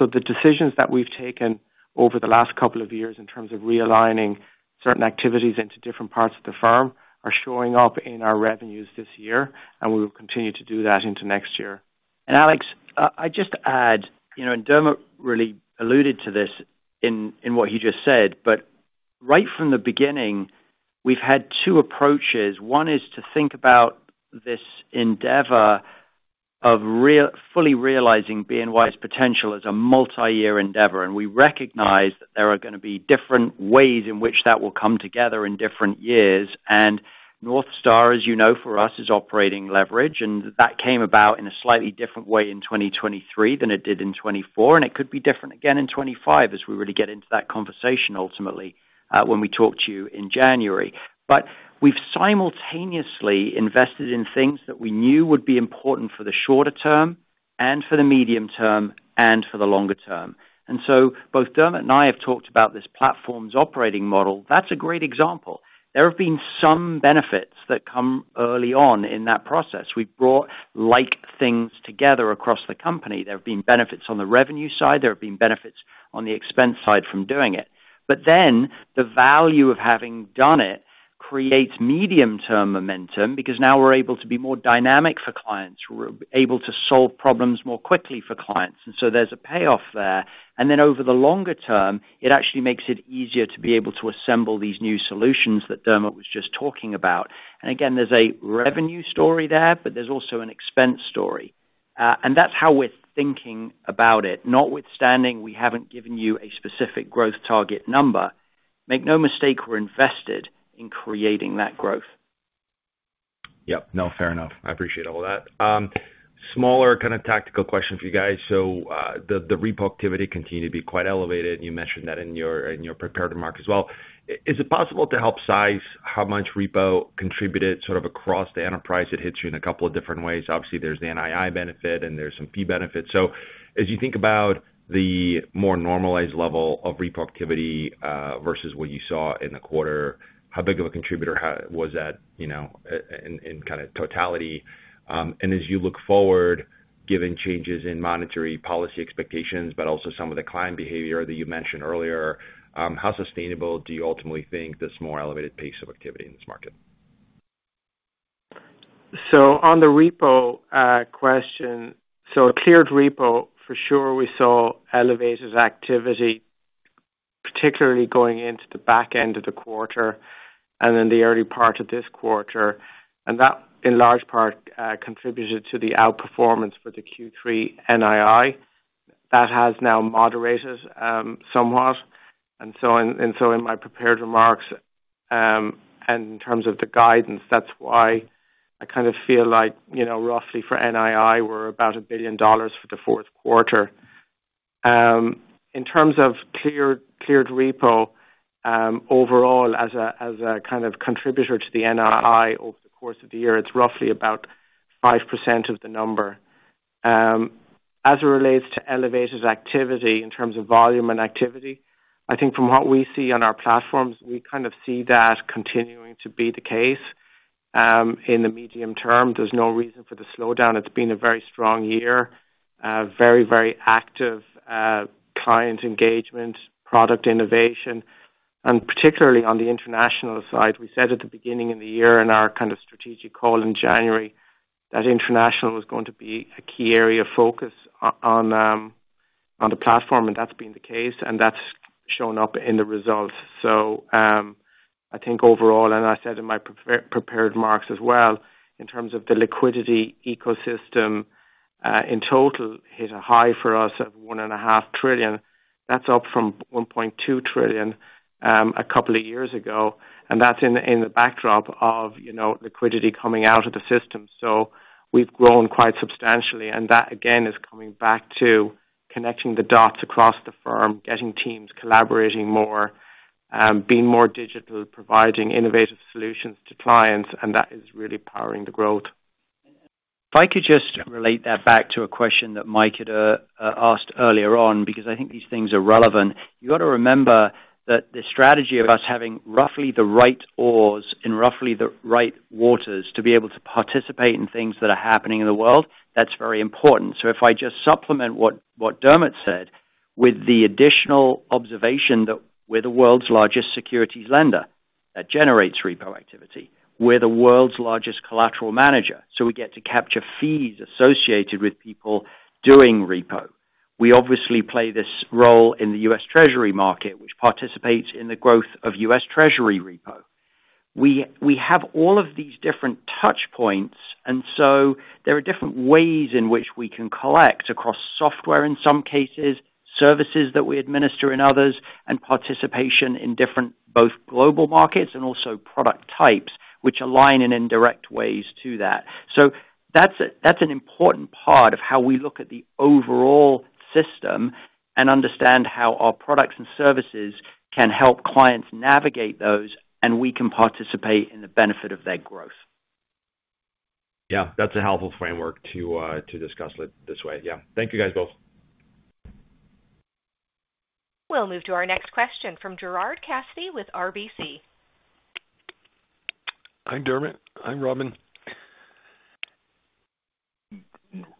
The decisions that we've taken over the last couple of years in terms of realigning certain activities into different parts of the firm are showing up in our revenues this year, and we will continue to do that into next year. Alex, I'd just add, you know, and Dermot really alluded to this in what he just said, but right from the beginning, we've had two approaches. One is to think about this endeavor of fully realizing BNY's potential as a multi-year endeavor, and we recognize that there are going to be different ways in which that will come together in different years. North Star, as you know, for us, is operating leverage, and that came about in a slightly different way in 2023 than it did in 2024, and it could be different again in 2025 as we really get into that conversation ultimately, when we talk to you in January. We've simultaneously invested in things that we knew would be important for the shorter term and for the medium term and for the longer term. Both Dermot and I have talked about this platform's operating model. That's a great example. There have been some benefits that come early on in that process. We've brought like things together across the company. There have been benefits on the revenue side, there have been benefits on the expense side from doing it. But then the value of having done it creates medium-term momentum because now we're able to be more dynamic for clients. We're able to solve problems more quickly for clients, there's a payoff there. And then over the longer term, it actually makes it easier to be able to assemble these new solutions that Dermot was just talking about. Again, there's a revenue story there, but there's also an expense story. And that's how we're thinking about it, notwithstanding, we haven't given you a specific growth target number. Make no mistake, we're invested in creating that growth. No, fair enough. I appreciate all that. Smaller kind of tactical question for you guys. The repo activity continued to be quite elevated. You mentioned that in your prepared remarks as well. Is it possible to help size how much repo contributed, sort of, across the enterprise? It hits you in a couple of different ways. Obviously, there's the NII benefit, and there's some fee benefits. You think about the more normalized level of repo activity, versus what you saw in the quarter, how big of a contributor was that, you know, in kind of totality? As you look forward, given changes in monetary policy expectations, but also some of the client behavior that you mentioned earlier, how sustainable do you ultimately think this more elevated pace of activity in this market? On the repo question, cleared repo, for sure, we saw elevated activity, particularly going into the back end of the quarter and in the early part of this quarter, and that in large part contributed to the outperformance for Q3 NII. That has now moderated somewhat. In my prepared remarks, and in terms of the guidance, that's why I kind of feel like, you know, roughly for NII, we're about $1 billion for the Q4. In terms of cleared repo, overall, as a kind of contributor to the NII over the course of the year, it's roughly about 5% of the number. As it relates to elevated activity in terms of volume and activity, I think from what we see on our platforms, we kind of see that continuing to be the case. In the medium term, there's no reason for the slowdown. It's been a very strong year, very, very active, client engagement, product innovation, and particularly on the international side. We said at the beginning of the year in our kind of strategic call in January, that international was going to be a key area of focus on, on the platform, and that's been the case, and that's shown up in the results. So, I think overall, and I said in my prepared remarks as well, in terms of the liquidity ecosystem, in total, hit a high for us of $1.5 trillion. That's up from $1.2 trillion a couple of years ago, and that's in the backdrop of, you know, liquidity coming out of the system. So we've grown quite substantially, and that again is coming back to connecting the dots across the firm, getting teams collaborating more, being more digital, providing innovative solutions to clients, and that is really powering the growth. If I could just relate that back to a question that Mike had asked earlier on, because I think these things are relevant. You've got to remember that the strategy of us having roughly the right oars in roughly the right waters, to be able to participate in things that are happening in the world, that's very important. So if I just supplement what Dermot said with the additional observation that we're the world's largest securities lender, that generates repo activity. We're the world's largest collateral manager, so we get to capture fees associated with people doing repo. We obviously play this role in the U.S. Treasury market, which participates in the growth of U.S. Treasury repo. We have all of these different touch points, there are different ways in which we can collect across software, in some cases, services that we administer in others, and participation in different, both global markets and also product types, which align in indirect ways to that. That's an important part of how we look at the overall system and understand how our products and services can help clients navigate those, and we can participate in the benefit of their growth. That's a helpful framework to discuss it this way. Thank you, guys, both. We'll move to our next question from Gerard Cassidy with RBC. Hi, Dermot. Hi, Robin.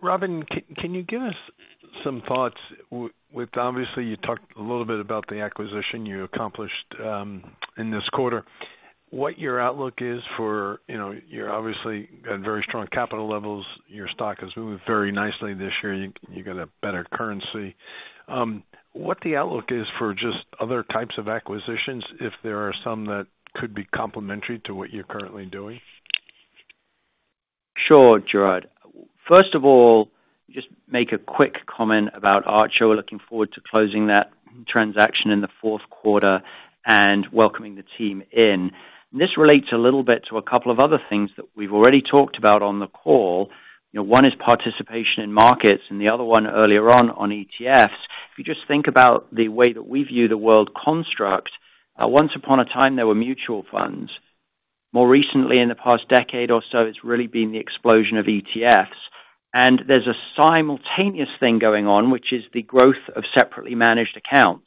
Robin, can you give us some thoughts with, obviously, you talked a little bit about the acquisition you accomplished in this quarter, what your outlook is for, you know, you're obviously got very strong capital levels. Your stock has moved very nicely this year. You got a better currency. What the outlook is for just other types of acquisitions, if there are some that could be complementary to what you're currently doing? Sure, Gerard. First of all, just make a quick comment about Archer. We're looking forward to closing that transaction in the Q4 and welcoming the team in. This relates a little bit to a couple of other things that we've already talked about on the call. You know, one is participation in markets, and the other one earlier on, on ETFs. If you just think about the way that we view the world construct, once upon a time, there were mutual funds. More recently, in the past decade or so, it's really been the explosion of ETFs, and there's a simultaneous thing going on, which is the growth of separately managed accounts.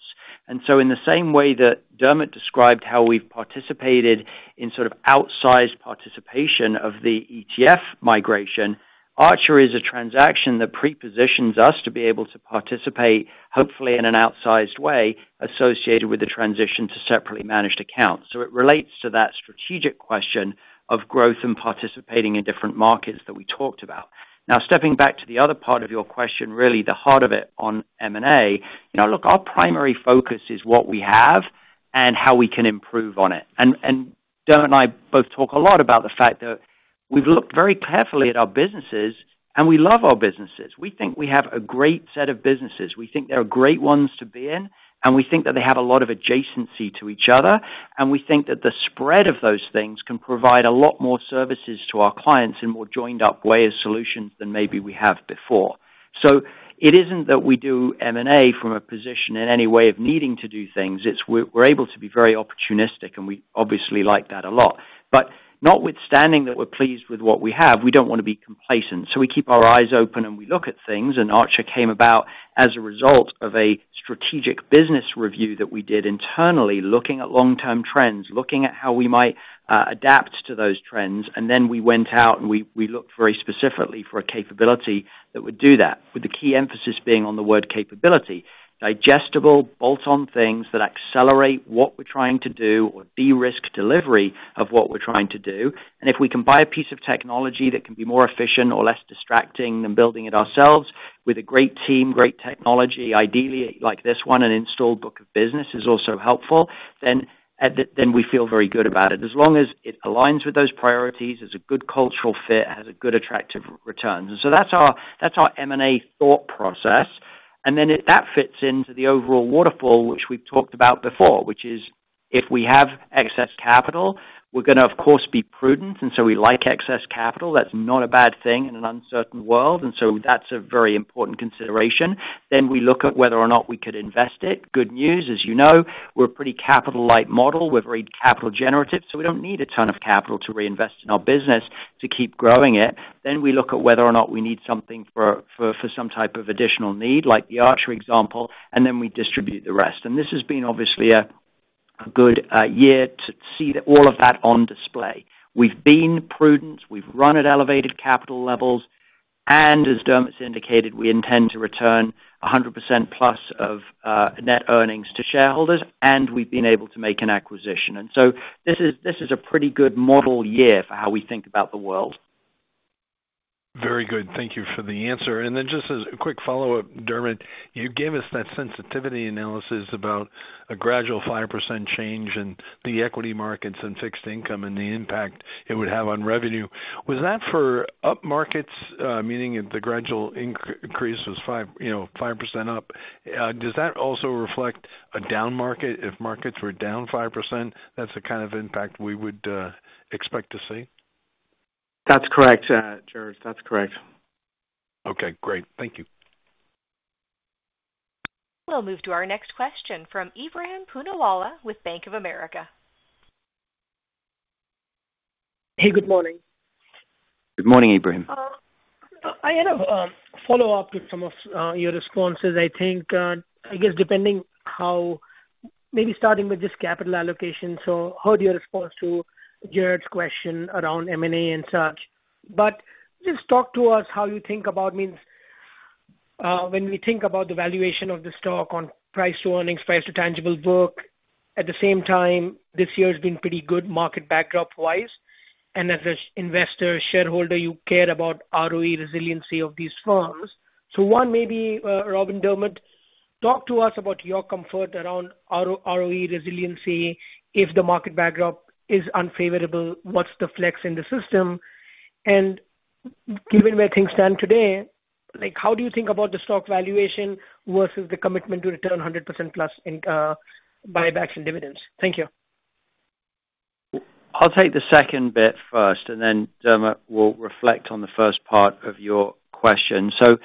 In the same way that Dermot described how we've participated in sort of outsized participation of the ETF migration, Archer is a transaction that pre-positions us to be able to participate, hopefully in an outsized way, associated with the transition to separately managed accounts. It relates to that strategic question of growth and participating in different markets that we talked about. Now, stepping back to the other part of your question, really the heart of it on M&A. You know, look, our primary focus is what we have and how we can improve on it. Dermot and I both talk a lot about the fact that we've looked very carefully at our businesses, and we love our businesses. We think we have a great set of businesses. We think they're great ones to be in, and we think that they have a lot of adjacency to each other, and we think that the spread of those things can provide a lot more services to our clients in more joined up way of solutions than maybe we have before. It isn't that we do M&A from a position in any way of needing to do things. It's we're able to be very opportunistic, and we obviously like that a lot. Notwithstanding that we're pleased with what we have, we don't wanna be complacent, so we keep our eyes open, and we look at things. Archer came about as a result of a strategic business review that we did internally, looking at long-term trends, looking at how we might adapt to those trends. We went out, and we looked very specifically for a capability that would do that, with the key emphasis being on the word capability. Digestible, bolt-on things that accelerate what we're trying to do or de-risk delivery of what we're trying to do. If we can buy a piece of technology that can be more efficient or less distracting than building it ourselves with a great team, great technology, ideally like this one, an installed book of business is also helpful, then we feel very good about it. As long as it aligns with those priorities, it's a good cultural fit, has a good attractive return. That's our M&A thought process, and then it... That fits into the overall waterfall, which we've talked about before, which is if we have excess capital, we're gonna, of course, be prudent, we like excess capital. That's not a bad thing in an uncertain world, that's a very important consideration. Then we look at whether or not we could invest it. Good news, as you know, we're a pretty capital-light model. We're very capital generative, so we don't need a ton of capital to reinvest in our business to keep growing it. Then we look at whether or not we need something for some type of additional need, like the Archer example, and then we distribute the rest, and this has been obviously a good year to see all of that on display. We've been prudent, we've run at elevated capital levels, and as Dermot's indicated, we intend to return 100% plus of net earnings to shareholders, and we've been able to make an acquisition. This is a pretty good model year for how we think about the world. Very good. Thank you for the answer. Just as a quick follow-up, Dermot, you gave us that sensitivity analysis about a gradual 5% change in the equity markets and fixed income and the impact it would have on revenue. Was that for up markets, meaning if the gradual increase was five, you know, 5% up? Does that also reflect a down market? If markets were down 5%, that's the kind of impact we would expect to see? That's correct, Gerard. That's correct. Okay, great. Thank you. We'll move to our next question from Ebrahim Poonawala with Bank of America. Hey, good morning. Good morning, Ebrahim. I had a follow-up with some of your responses. I think, I guess depending how... Maybe starting with just capital allocation, so heard your response to Gerard's question around M&A and such. Just talk to us how you think about, means, when we think about the valuation of the stock on price to earnings, price to tangible book. At the same time, this year has been pretty good market backdrop-wise, and as an investor, shareholder, you care about ROE resiliency of these firms. One, maybe, Robin, Dermot, talk to us about your comfort around ROE resiliency. If the market backdrop is unfavorable, what's the flex in the system? Given where things stand today, like, how do you think about the stock valuation versus the commitment to return 100% plus in buybacks and dividends? Thank you. I'll take the second bit first, and then Dermot will reflect on the first part of your question. So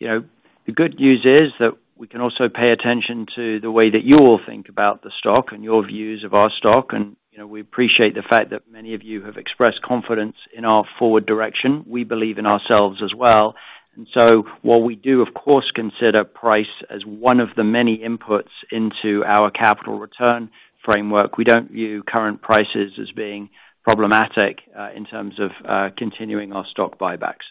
you know, the good news is that we can also pay attention to the way that you all think about the stock and your views of our stock. You know, we appreciate the fact that many of you have expressed confidence in our forward direction. We believe in ourselves as well. While we do, of course, consider price as one of the many inputs into our capital return framework, we don't view current prices as being problematic in terms of continuing our stock buybacks.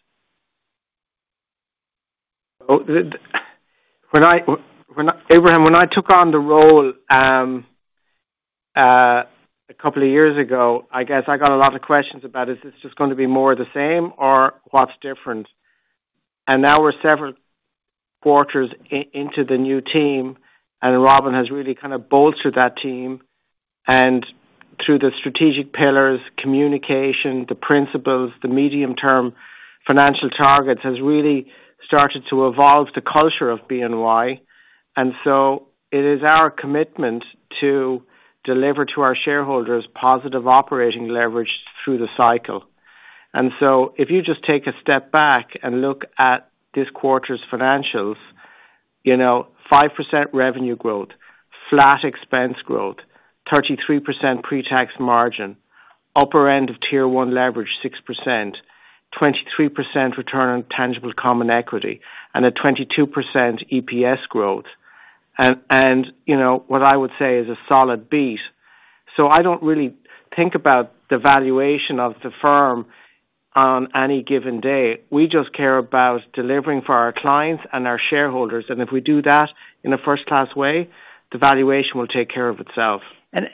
When I took on the role a couple of years ago, I guess I got a lot of questions about, is this just going to be more the same or what's different? Now we're several quarters into the new team, and Robin has really kind of bolstered that team. Through the strategic pillars, communication, the principles, the medium-term financial targets, has really started to evolve the culture of BNY. It is our commitment to deliver to our shareholders positive operating leverage through the cycle. If you just take a step back and look at this quarter's financials, you know, 5% revenue growth, flat expense growth, 33% pre-tax margin, upper end of Tier 1 leverage, 6%, 23% return on tangible common equity, and a 22% EPS growth. You know, what I would say is a solid beat, so I don't really think about the valuation of the firm on any given day. We just care about delivering for our clients and our shareholders, and if we do that in a first-class way, the valuation will take care of itself.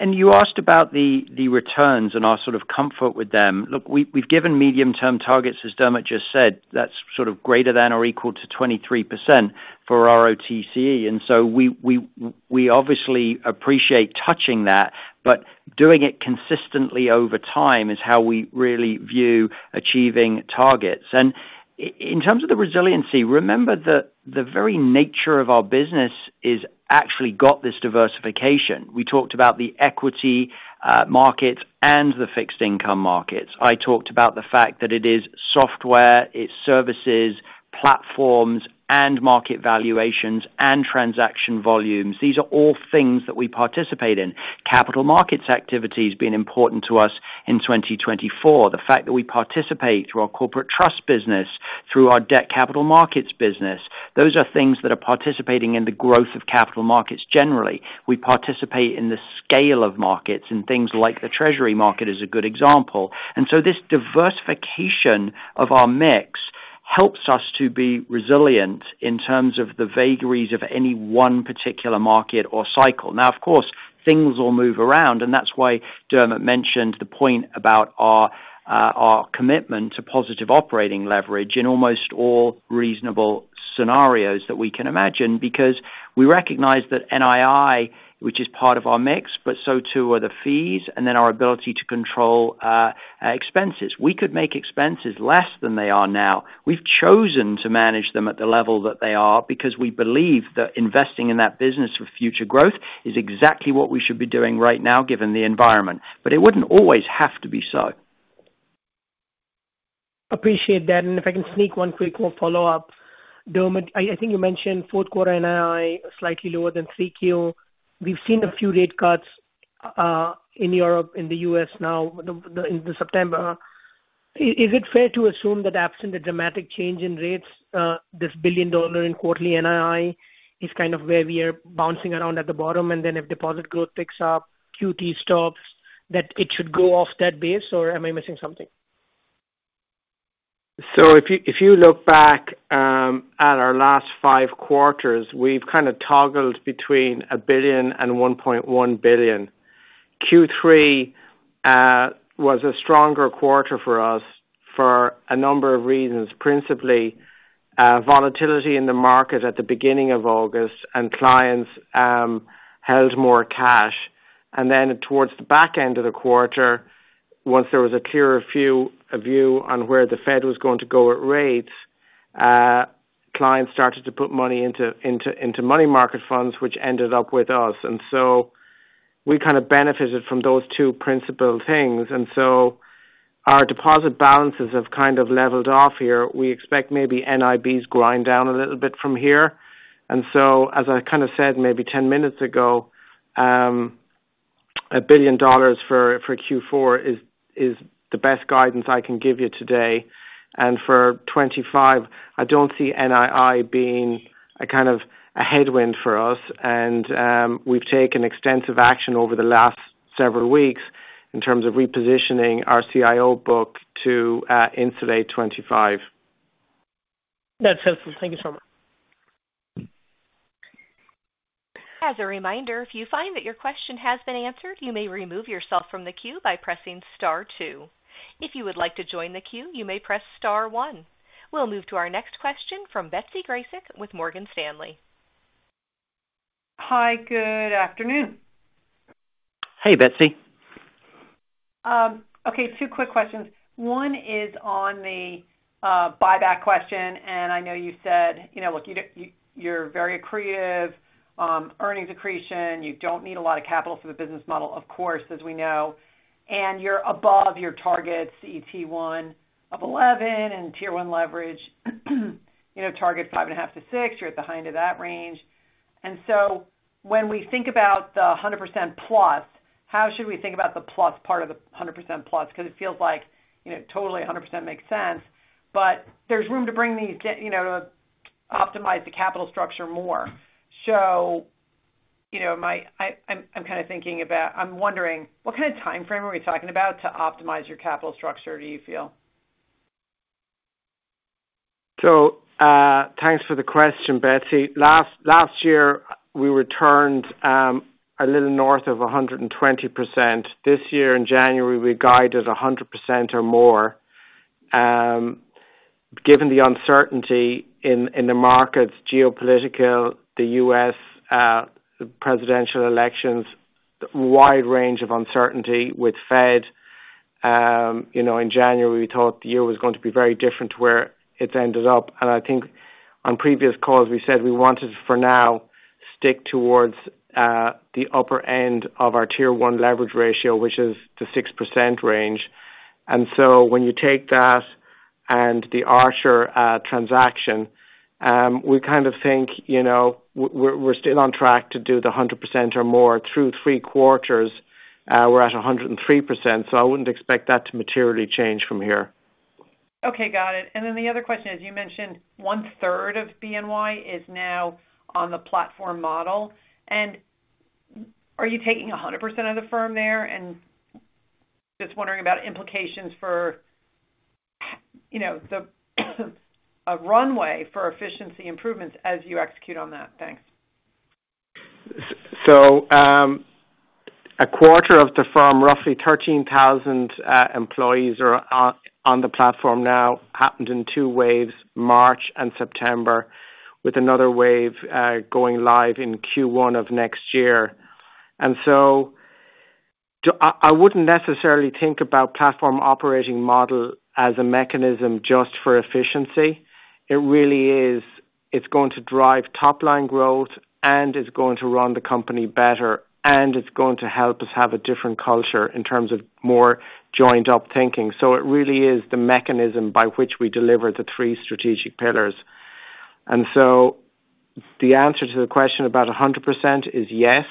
You asked about the returns and our sort of comfort with them. Look, we've given medium-term targets, as Dermot just said, that's sort of greater than or equal to 23% for ROTCE. We obviously appreciate touching that, but doing it consistently over time is how we really view achieving targets. In terms of the resiliency, remember the very nature of our business is actually got this diversification. We talked about the equity markets and the fixed income markets. I talked about the fact that it is software, it's services, platforms, and market valuations, and transaction volumes. These are all things that we participate in. Capital markets activity has been important to us in 2024. The fact that we participate through our corporate trust business, through our debt capital markets business, those are things that are participating in the growth of capital markets. Generally, we participate in the scale of markets, and things like the treasury market is a good example. This diversification of our mix helps us to be resilient in terms of the vagaries of any one particular market or cycle. Now, of course, things will move around, and that's why Dermot mentioned the point about our commitment to positive operating leverage in almost all reasonable scenarios that we can imagine, because we recognize that NII, which is part of our mix, but so too are the fees, and then our ability to control expenses. We could make expenses less than they are now. We've chosen to manage them at the level that they are because we believe that investing in that business for future growth is exactly what we should be doing right now, given the environment, but it wouldn't always have to be so. Appreciate that, and if I can sneak one quick more follow-up. Dermot, I think you mentioned Q4 NII, slightly lower than Q. We've seen a few rate cuts in Europe, in the US now, in September. Is it fair to assume that absent a dramatic change in rates, this $1 billion in quarterly NII is kind of where we are bouncing around at the bottom, If deposit growth picks up, QT stops, that it should go off that base, or am I missing something? If you look back at our last five quarters, we've kind of toggled between $1 billion and $1.1 billion. Q3 was a stronger quarter for us for a number of reasons, principally volatility in the market at the beginning of August, and clients held more cash. Towards the back end of the quarter, once there was a clearer view on where the Fed was going to go at rates, clients started to put money into money market funds, which ended up with us. We kind of benefited from those two principal things. Our deposit balances have kind of leveled off here. We expect maybe NII to grind down a little bit from here. As I kind of said, maybe 10 minutes ago, $1 billion for Q4 is the best guidance I can give you today. For 2025, I don't see NII being a kind of headwind for us, and we've taken extensive action over the last several weeks in terms of repositioning our CIO book to insulate 2025. That's helpful. Thank you so much. As a reminder, if you find that your question has been answered, you may remove yourself from the queue by pressing star two. If you would like to join the queue, you may press star one. We'll move to our next question from Betsy Graseck with Morgan Stanley. Hi, good afternoon. Hey, Betsy. Okay, two quick questions. One is on the buyback question, and I know you said, you know, look, you're very accretive, earnings accretion. You don't need a lot of capital for the business model, of course, as we know, and you're above your targets, CET1 of eleven and Tier One leverage, you know, target five and a half to six. You're at the high end of that range. When we think about the 100% plus, how should we think about the plus part of the 100% plus? Because it feels like, you know, totally a 100% makes sense, There's room to bring these, you know, to optimize the capital structure more. You know, I'm wondering, what kind of timeframe are we talking about to optimize your capital structure, do you feel? Thanks for the question, Betsy. Last year, we returned a little north of 120%. This year, in January, we guided 100% or more. Given the uncertainty in the markets, geopolitical, the U.S. presidential elections, wide range of uncertainty with Fed, you know, in January, we thought the year was going to be very different to where it's ended up. I think on previous calls, we said we wanted, for now, stick towards the upper end of our Tier 1 Leverage Ratio, which is the 6% range. When you take that and the Archer transaction, we kind of think, you know, we're still on track to do the 100% or more. Through three quarters, we're at 103%, I wouldn't expect that to materially change from here. Okay, got it. The other question is, you mentioned one third of BNY is now on the platform model. Are you taking 100% of the firm there? And just wondering about implications for, you know, the, a runway for efficiency improvements as you execute on that. Thanks. A quarter of the firm, roughly 13,000 employees, are on the platform now. It happened in two waves, March and September, with another wave going live in Q1 of next year. I wouldn't necessarily think about platform operating model as a mechanism just for efficiency. It really is. It's going to drive top line growth, and it's going to run the company better, and it's going to help us have a different culture in terms of more joined up thinking. It really is the mechanism by which we deliver the three strategic pillars. The answer to the question about 100% is yes,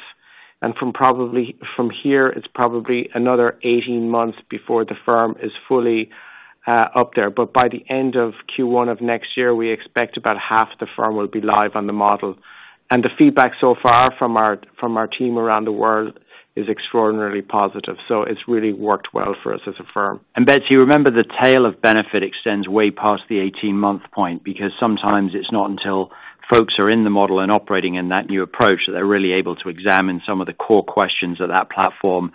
and from here, it's probably another 18 months before the firm is fully up there. By the end of Q1 of next year, we expect about half the firm will be live on the model. The feedback so far from our team around the world is extraordinarily positive. It's really worked well for us as a firm. Betsy, you remember the tail of benefit extends way past the eighteen-month point, because sometimes it's not until folks are in the model and operating in that new approach, that they're really able to examine some of the core questions that that platform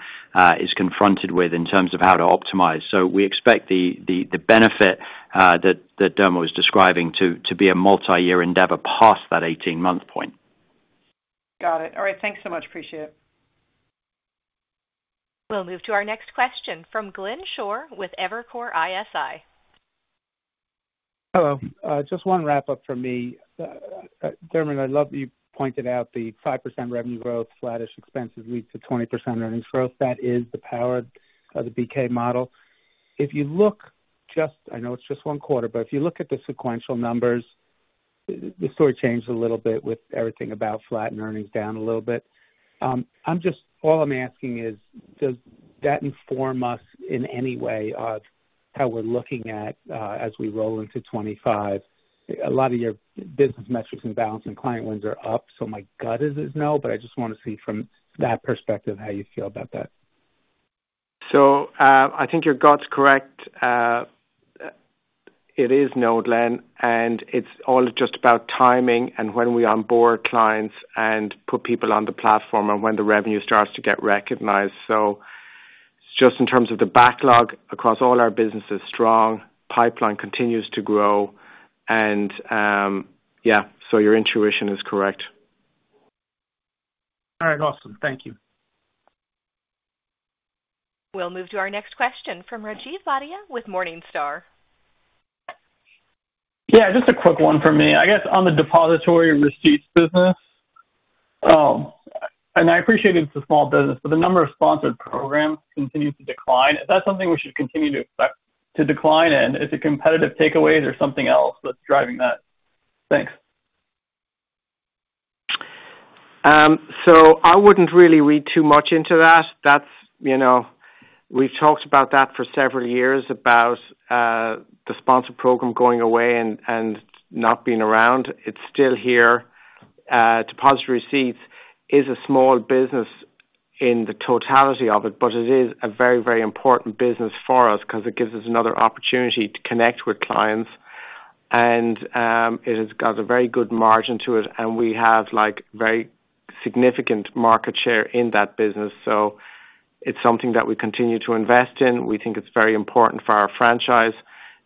is confronted with in terms of how to optimize. We expect the benefit that Dermot was describing to be a multi-year endeavor past that eighteen-month point. Got it. All right. Thanks so much. Appreciate it. We'll move to our next question from Glenn Schorr with Evercore ISI. Hello. Just one wrap up for me. Dermot, I love that you pointed out the 5% revenue growth, flattish expenses lead to 20% earnings growth. That is the power of the BK model. If you look just... I know it's just one quarter, but if you look at the sequential numbers, the story changed a little bit with everything about flatten earnings down a little bit. I'm just-- all I'm asking is, does that inform us in any way of how we're looking at, as we roll into 2025? A lot of your business metrics and balance and client wins are up, so my gut is no, but I just want to see from that perspective, how you feel about that. I think your gut's correct. It is no, Glenn, and it's all just about timing and when we onboard clients and put people on the platform and when the revenue starts to get recognized. Just in terms of the backlog across all our businesses, strong, pipeline continues to grow, your intuition is correct. All right. Awesome. Thank you. We'll move to our next question from Rajiv Bhatia with Morningstar. Just a quick one for me. I guess, on the depository receipts business, I appreciate it's a small business, but the number of sponsored programs continues to decline. Is that something we should continue to expect to decline in? Is it competitive takeaways or something else that's driving that? Thanks. I wouldn't really read too much into that. That's, you know, we've talked about that for several years about the sponsor program going away and not being around. It's still here. Depository receipts is a small business in the totality of it, but it is a very, very important business for us because it gives us another opportunity to connect with clients, It has got a very good margin to it, and we have, like, very significant market share in that business, It's something that we continue to invest in. We think it's very important for our franchise,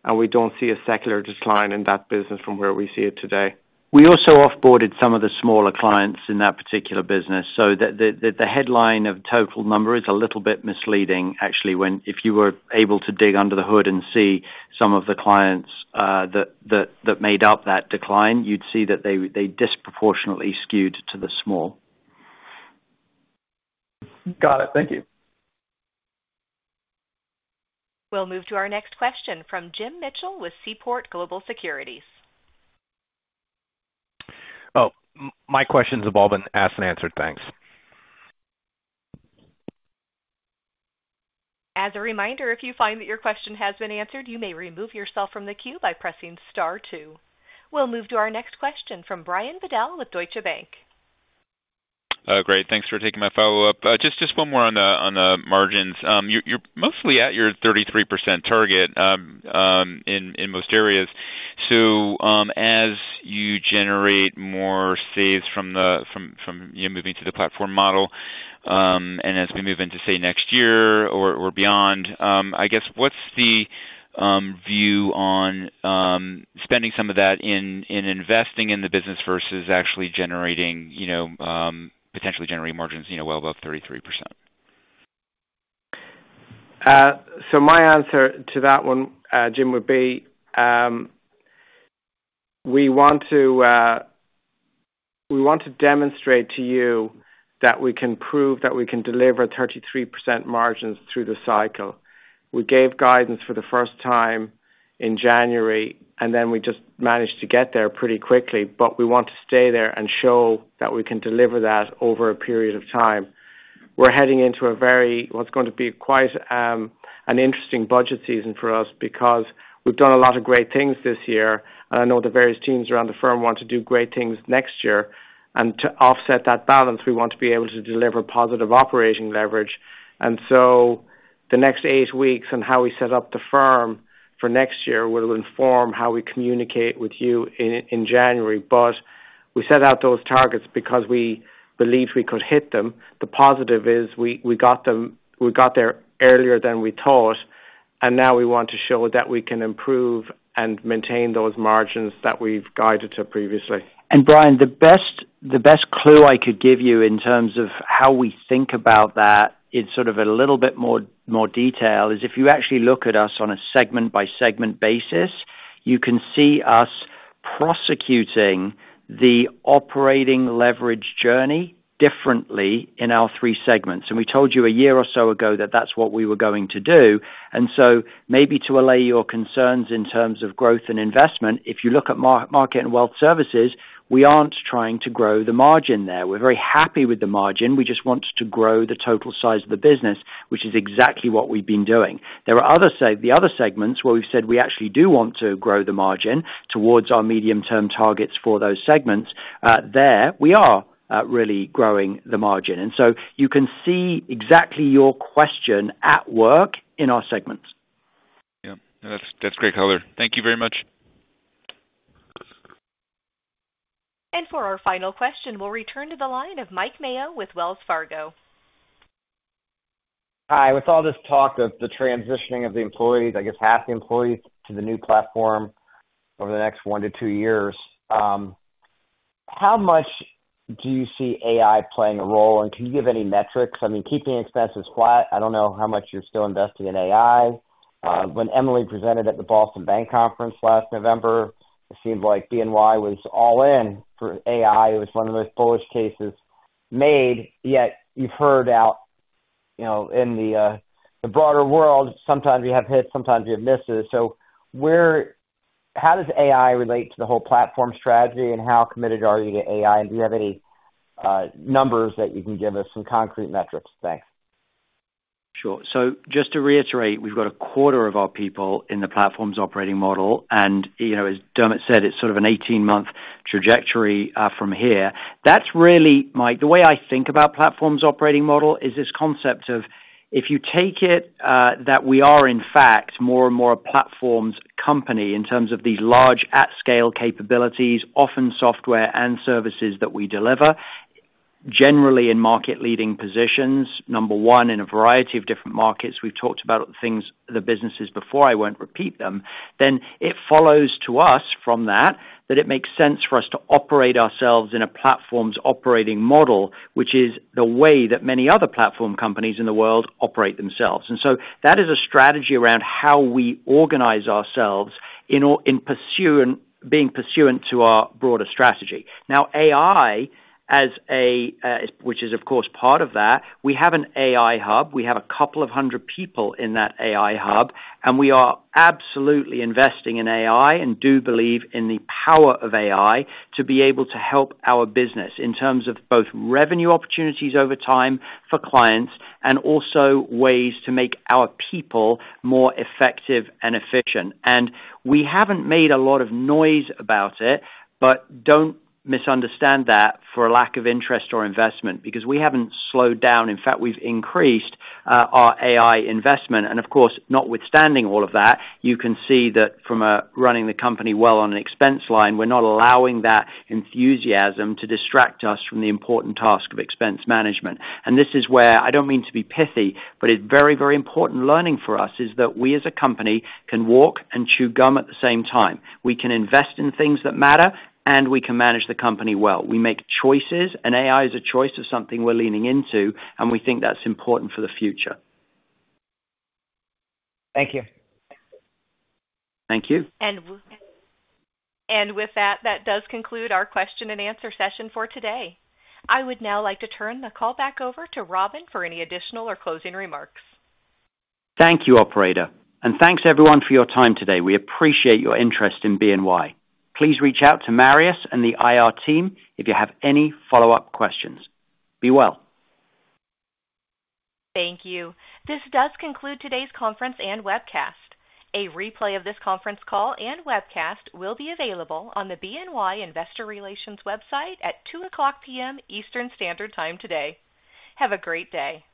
and we don't see a secular decline in that business from where we see it today. We also off-boarded some of the smaller clients in that particular business, so that the headline of total number is a little bit misleading, actually, when, if you were able to dig under the hood and see some of the clients that made up that decline, you'd see that they disproportionately skewed to the small. Got it. Thank you. We'll move to our next question from Jim Mitchell with Seaport Global Securities. My questions have all been asked and answered. Thanks. As a reminder, if you find that your question has been answered, you may remove yourself from the queue by pressing star two. We'll move to our next question from Brian Bedell with Deutsche Bank. Great. Thanks for taking my follow-up. Just one more on the margins. You're mostly at your 33% target in most areas. As you generate more savings from, you know, moving to the platform model, and as we move into, say, next year or beyond, I guess, what's the view on spending some of that in investing in the business versus actually generating, you know, potentially generating margins, you know, well above 33%? My answer to that one, Jim, would be, we want to, we want to demonstrate to you that we can prove that we can deliver 33% margins through the cycle. We gave guidance for the first time in January, and then we just managed to get there pretty quickly, but we want to stay there and show that we can deliver that over a period of time. We're heading into a very what's going to be quite an interesting budget season for us because we've done a lot of great things this year, and I know the various teams around the firm want to do great things next year. And to offset that balance, we want to be able to deliver positive operating leverage. The next eight weeks on how we set up the firm for next year will inform how we communicate with you in, in January. But we set out those targets because we believed we could hit them. The positive is we, we got the. We got there earlier than we thought, and now we want to show that we can improve and maintain those margins that we've guided to previously. Brian, the best, the best clue I could give you in terms of how we think about that in sort of a little bit more, more detail, is if you actually look at us on a segment-by-segment basis, you can see us prosecuting the operating leverage journey differently in our three segments. And we told you a year or so ago that that's what we were going to do. Maybe to allay your concerns in terms of growth and investment, if you look at Market and Wealth Services, we aren't trying to grow the margin there. We're very happy with the margin. We just want to grow the total size of the business, which is exactly what we've been doing. There are the other segments where we've said we actually do want to grow the margin towards our medium-term targets for those segments. There, we are really growing the margin. You can see exactly your question at work in our segments. Yhat's, that's great color. Thank you very much. For our final question, we'll return to the line of Mike Mayo with Wells Fargo. Hi. With all this talk of the transitioning of the employees, I guess half the employees to the new platform over the next one to two years, how much do you see AI playing a role, and can you give any metrics? I mean, keeping expenses flat, I don't know how much you're still investing in AI. When Emily presented at the Boston Bank Conference last November, it seemed like BNY was all in for AI. I t was one of the most bullish cases made, yet you've heard out, you know, in the broader world, sometimes you have hits, sometimes you have misses. Hhow does AI relate to the whole platform strategy, and how committed are you to AI? Do you have any numbers that you can give us, some concrete metrics? Thanks. Sure, just to reiterate, we've got a quarter of our people in the platforms operating model, and, you know, as Dermot said, it's sort of an eighteen-month trajectory from here. That's really, Mike, the way I think about platforms operating model is this concept of if you take it that we are, in fact, more and more a platforms company in terms of these large at-scale capabilities, often software and services that we deliver, generally in market-leading positions, number one, in a variety of different markets. We've talked about things, the businesses before, I won't repeat them. it follows to us from that, that it makes sense for us to operate ourselves in a platforms operating model, which is the way that many other platform companies in the world operate themselves. That is a strategy around how we organize ourselves, being pursuant to our broader strategy. Now, AI as a, which is, of course, part of that, we have an AI hub. We have a couple of hundred people in that AI hub, and we are absolutely investing in AI and do believe in the power of AI to be able to help our business in terms of both revenue opportunities over time for clients and also ways to make our people more effective and efficient. We haven't made a lot of noise about it, but don't misunderstand that for a lack of interest or investment, because we haven't slowed down. In fact, we've increased our AI investment. Of course, notwithstanding all of that, you can see that from running the company well on an expense line, we're not allowing that enthusiasm to distract us from the important task of expense management. This is where, I don't mean to be pithy, but it's very, very important learning for us, is that we, as a company, can walk and chew gum at the same time. We can invest in things that matter, and we can manage the company well. We make choices, and AI is a choice of something we're leaning into, and we think that's important for the future. Thank you. Thank you. And with that, that does conclude our question and answer session for today. I would now like to turn the call back over to Robin for any additional or closing remarks. Thank you, operator, and thanks, everyone, for your time today. We appreciate your interest in BNY. Please reach out to Marius and the IR team if you have any follow-up questions. Be well. Thank you. This does conclude today's conference and webcast. A replay of this conference call and webcast will be available on the BNY investor relations website at 2:00 P.M. Eastern Standard Time today. Have a great day.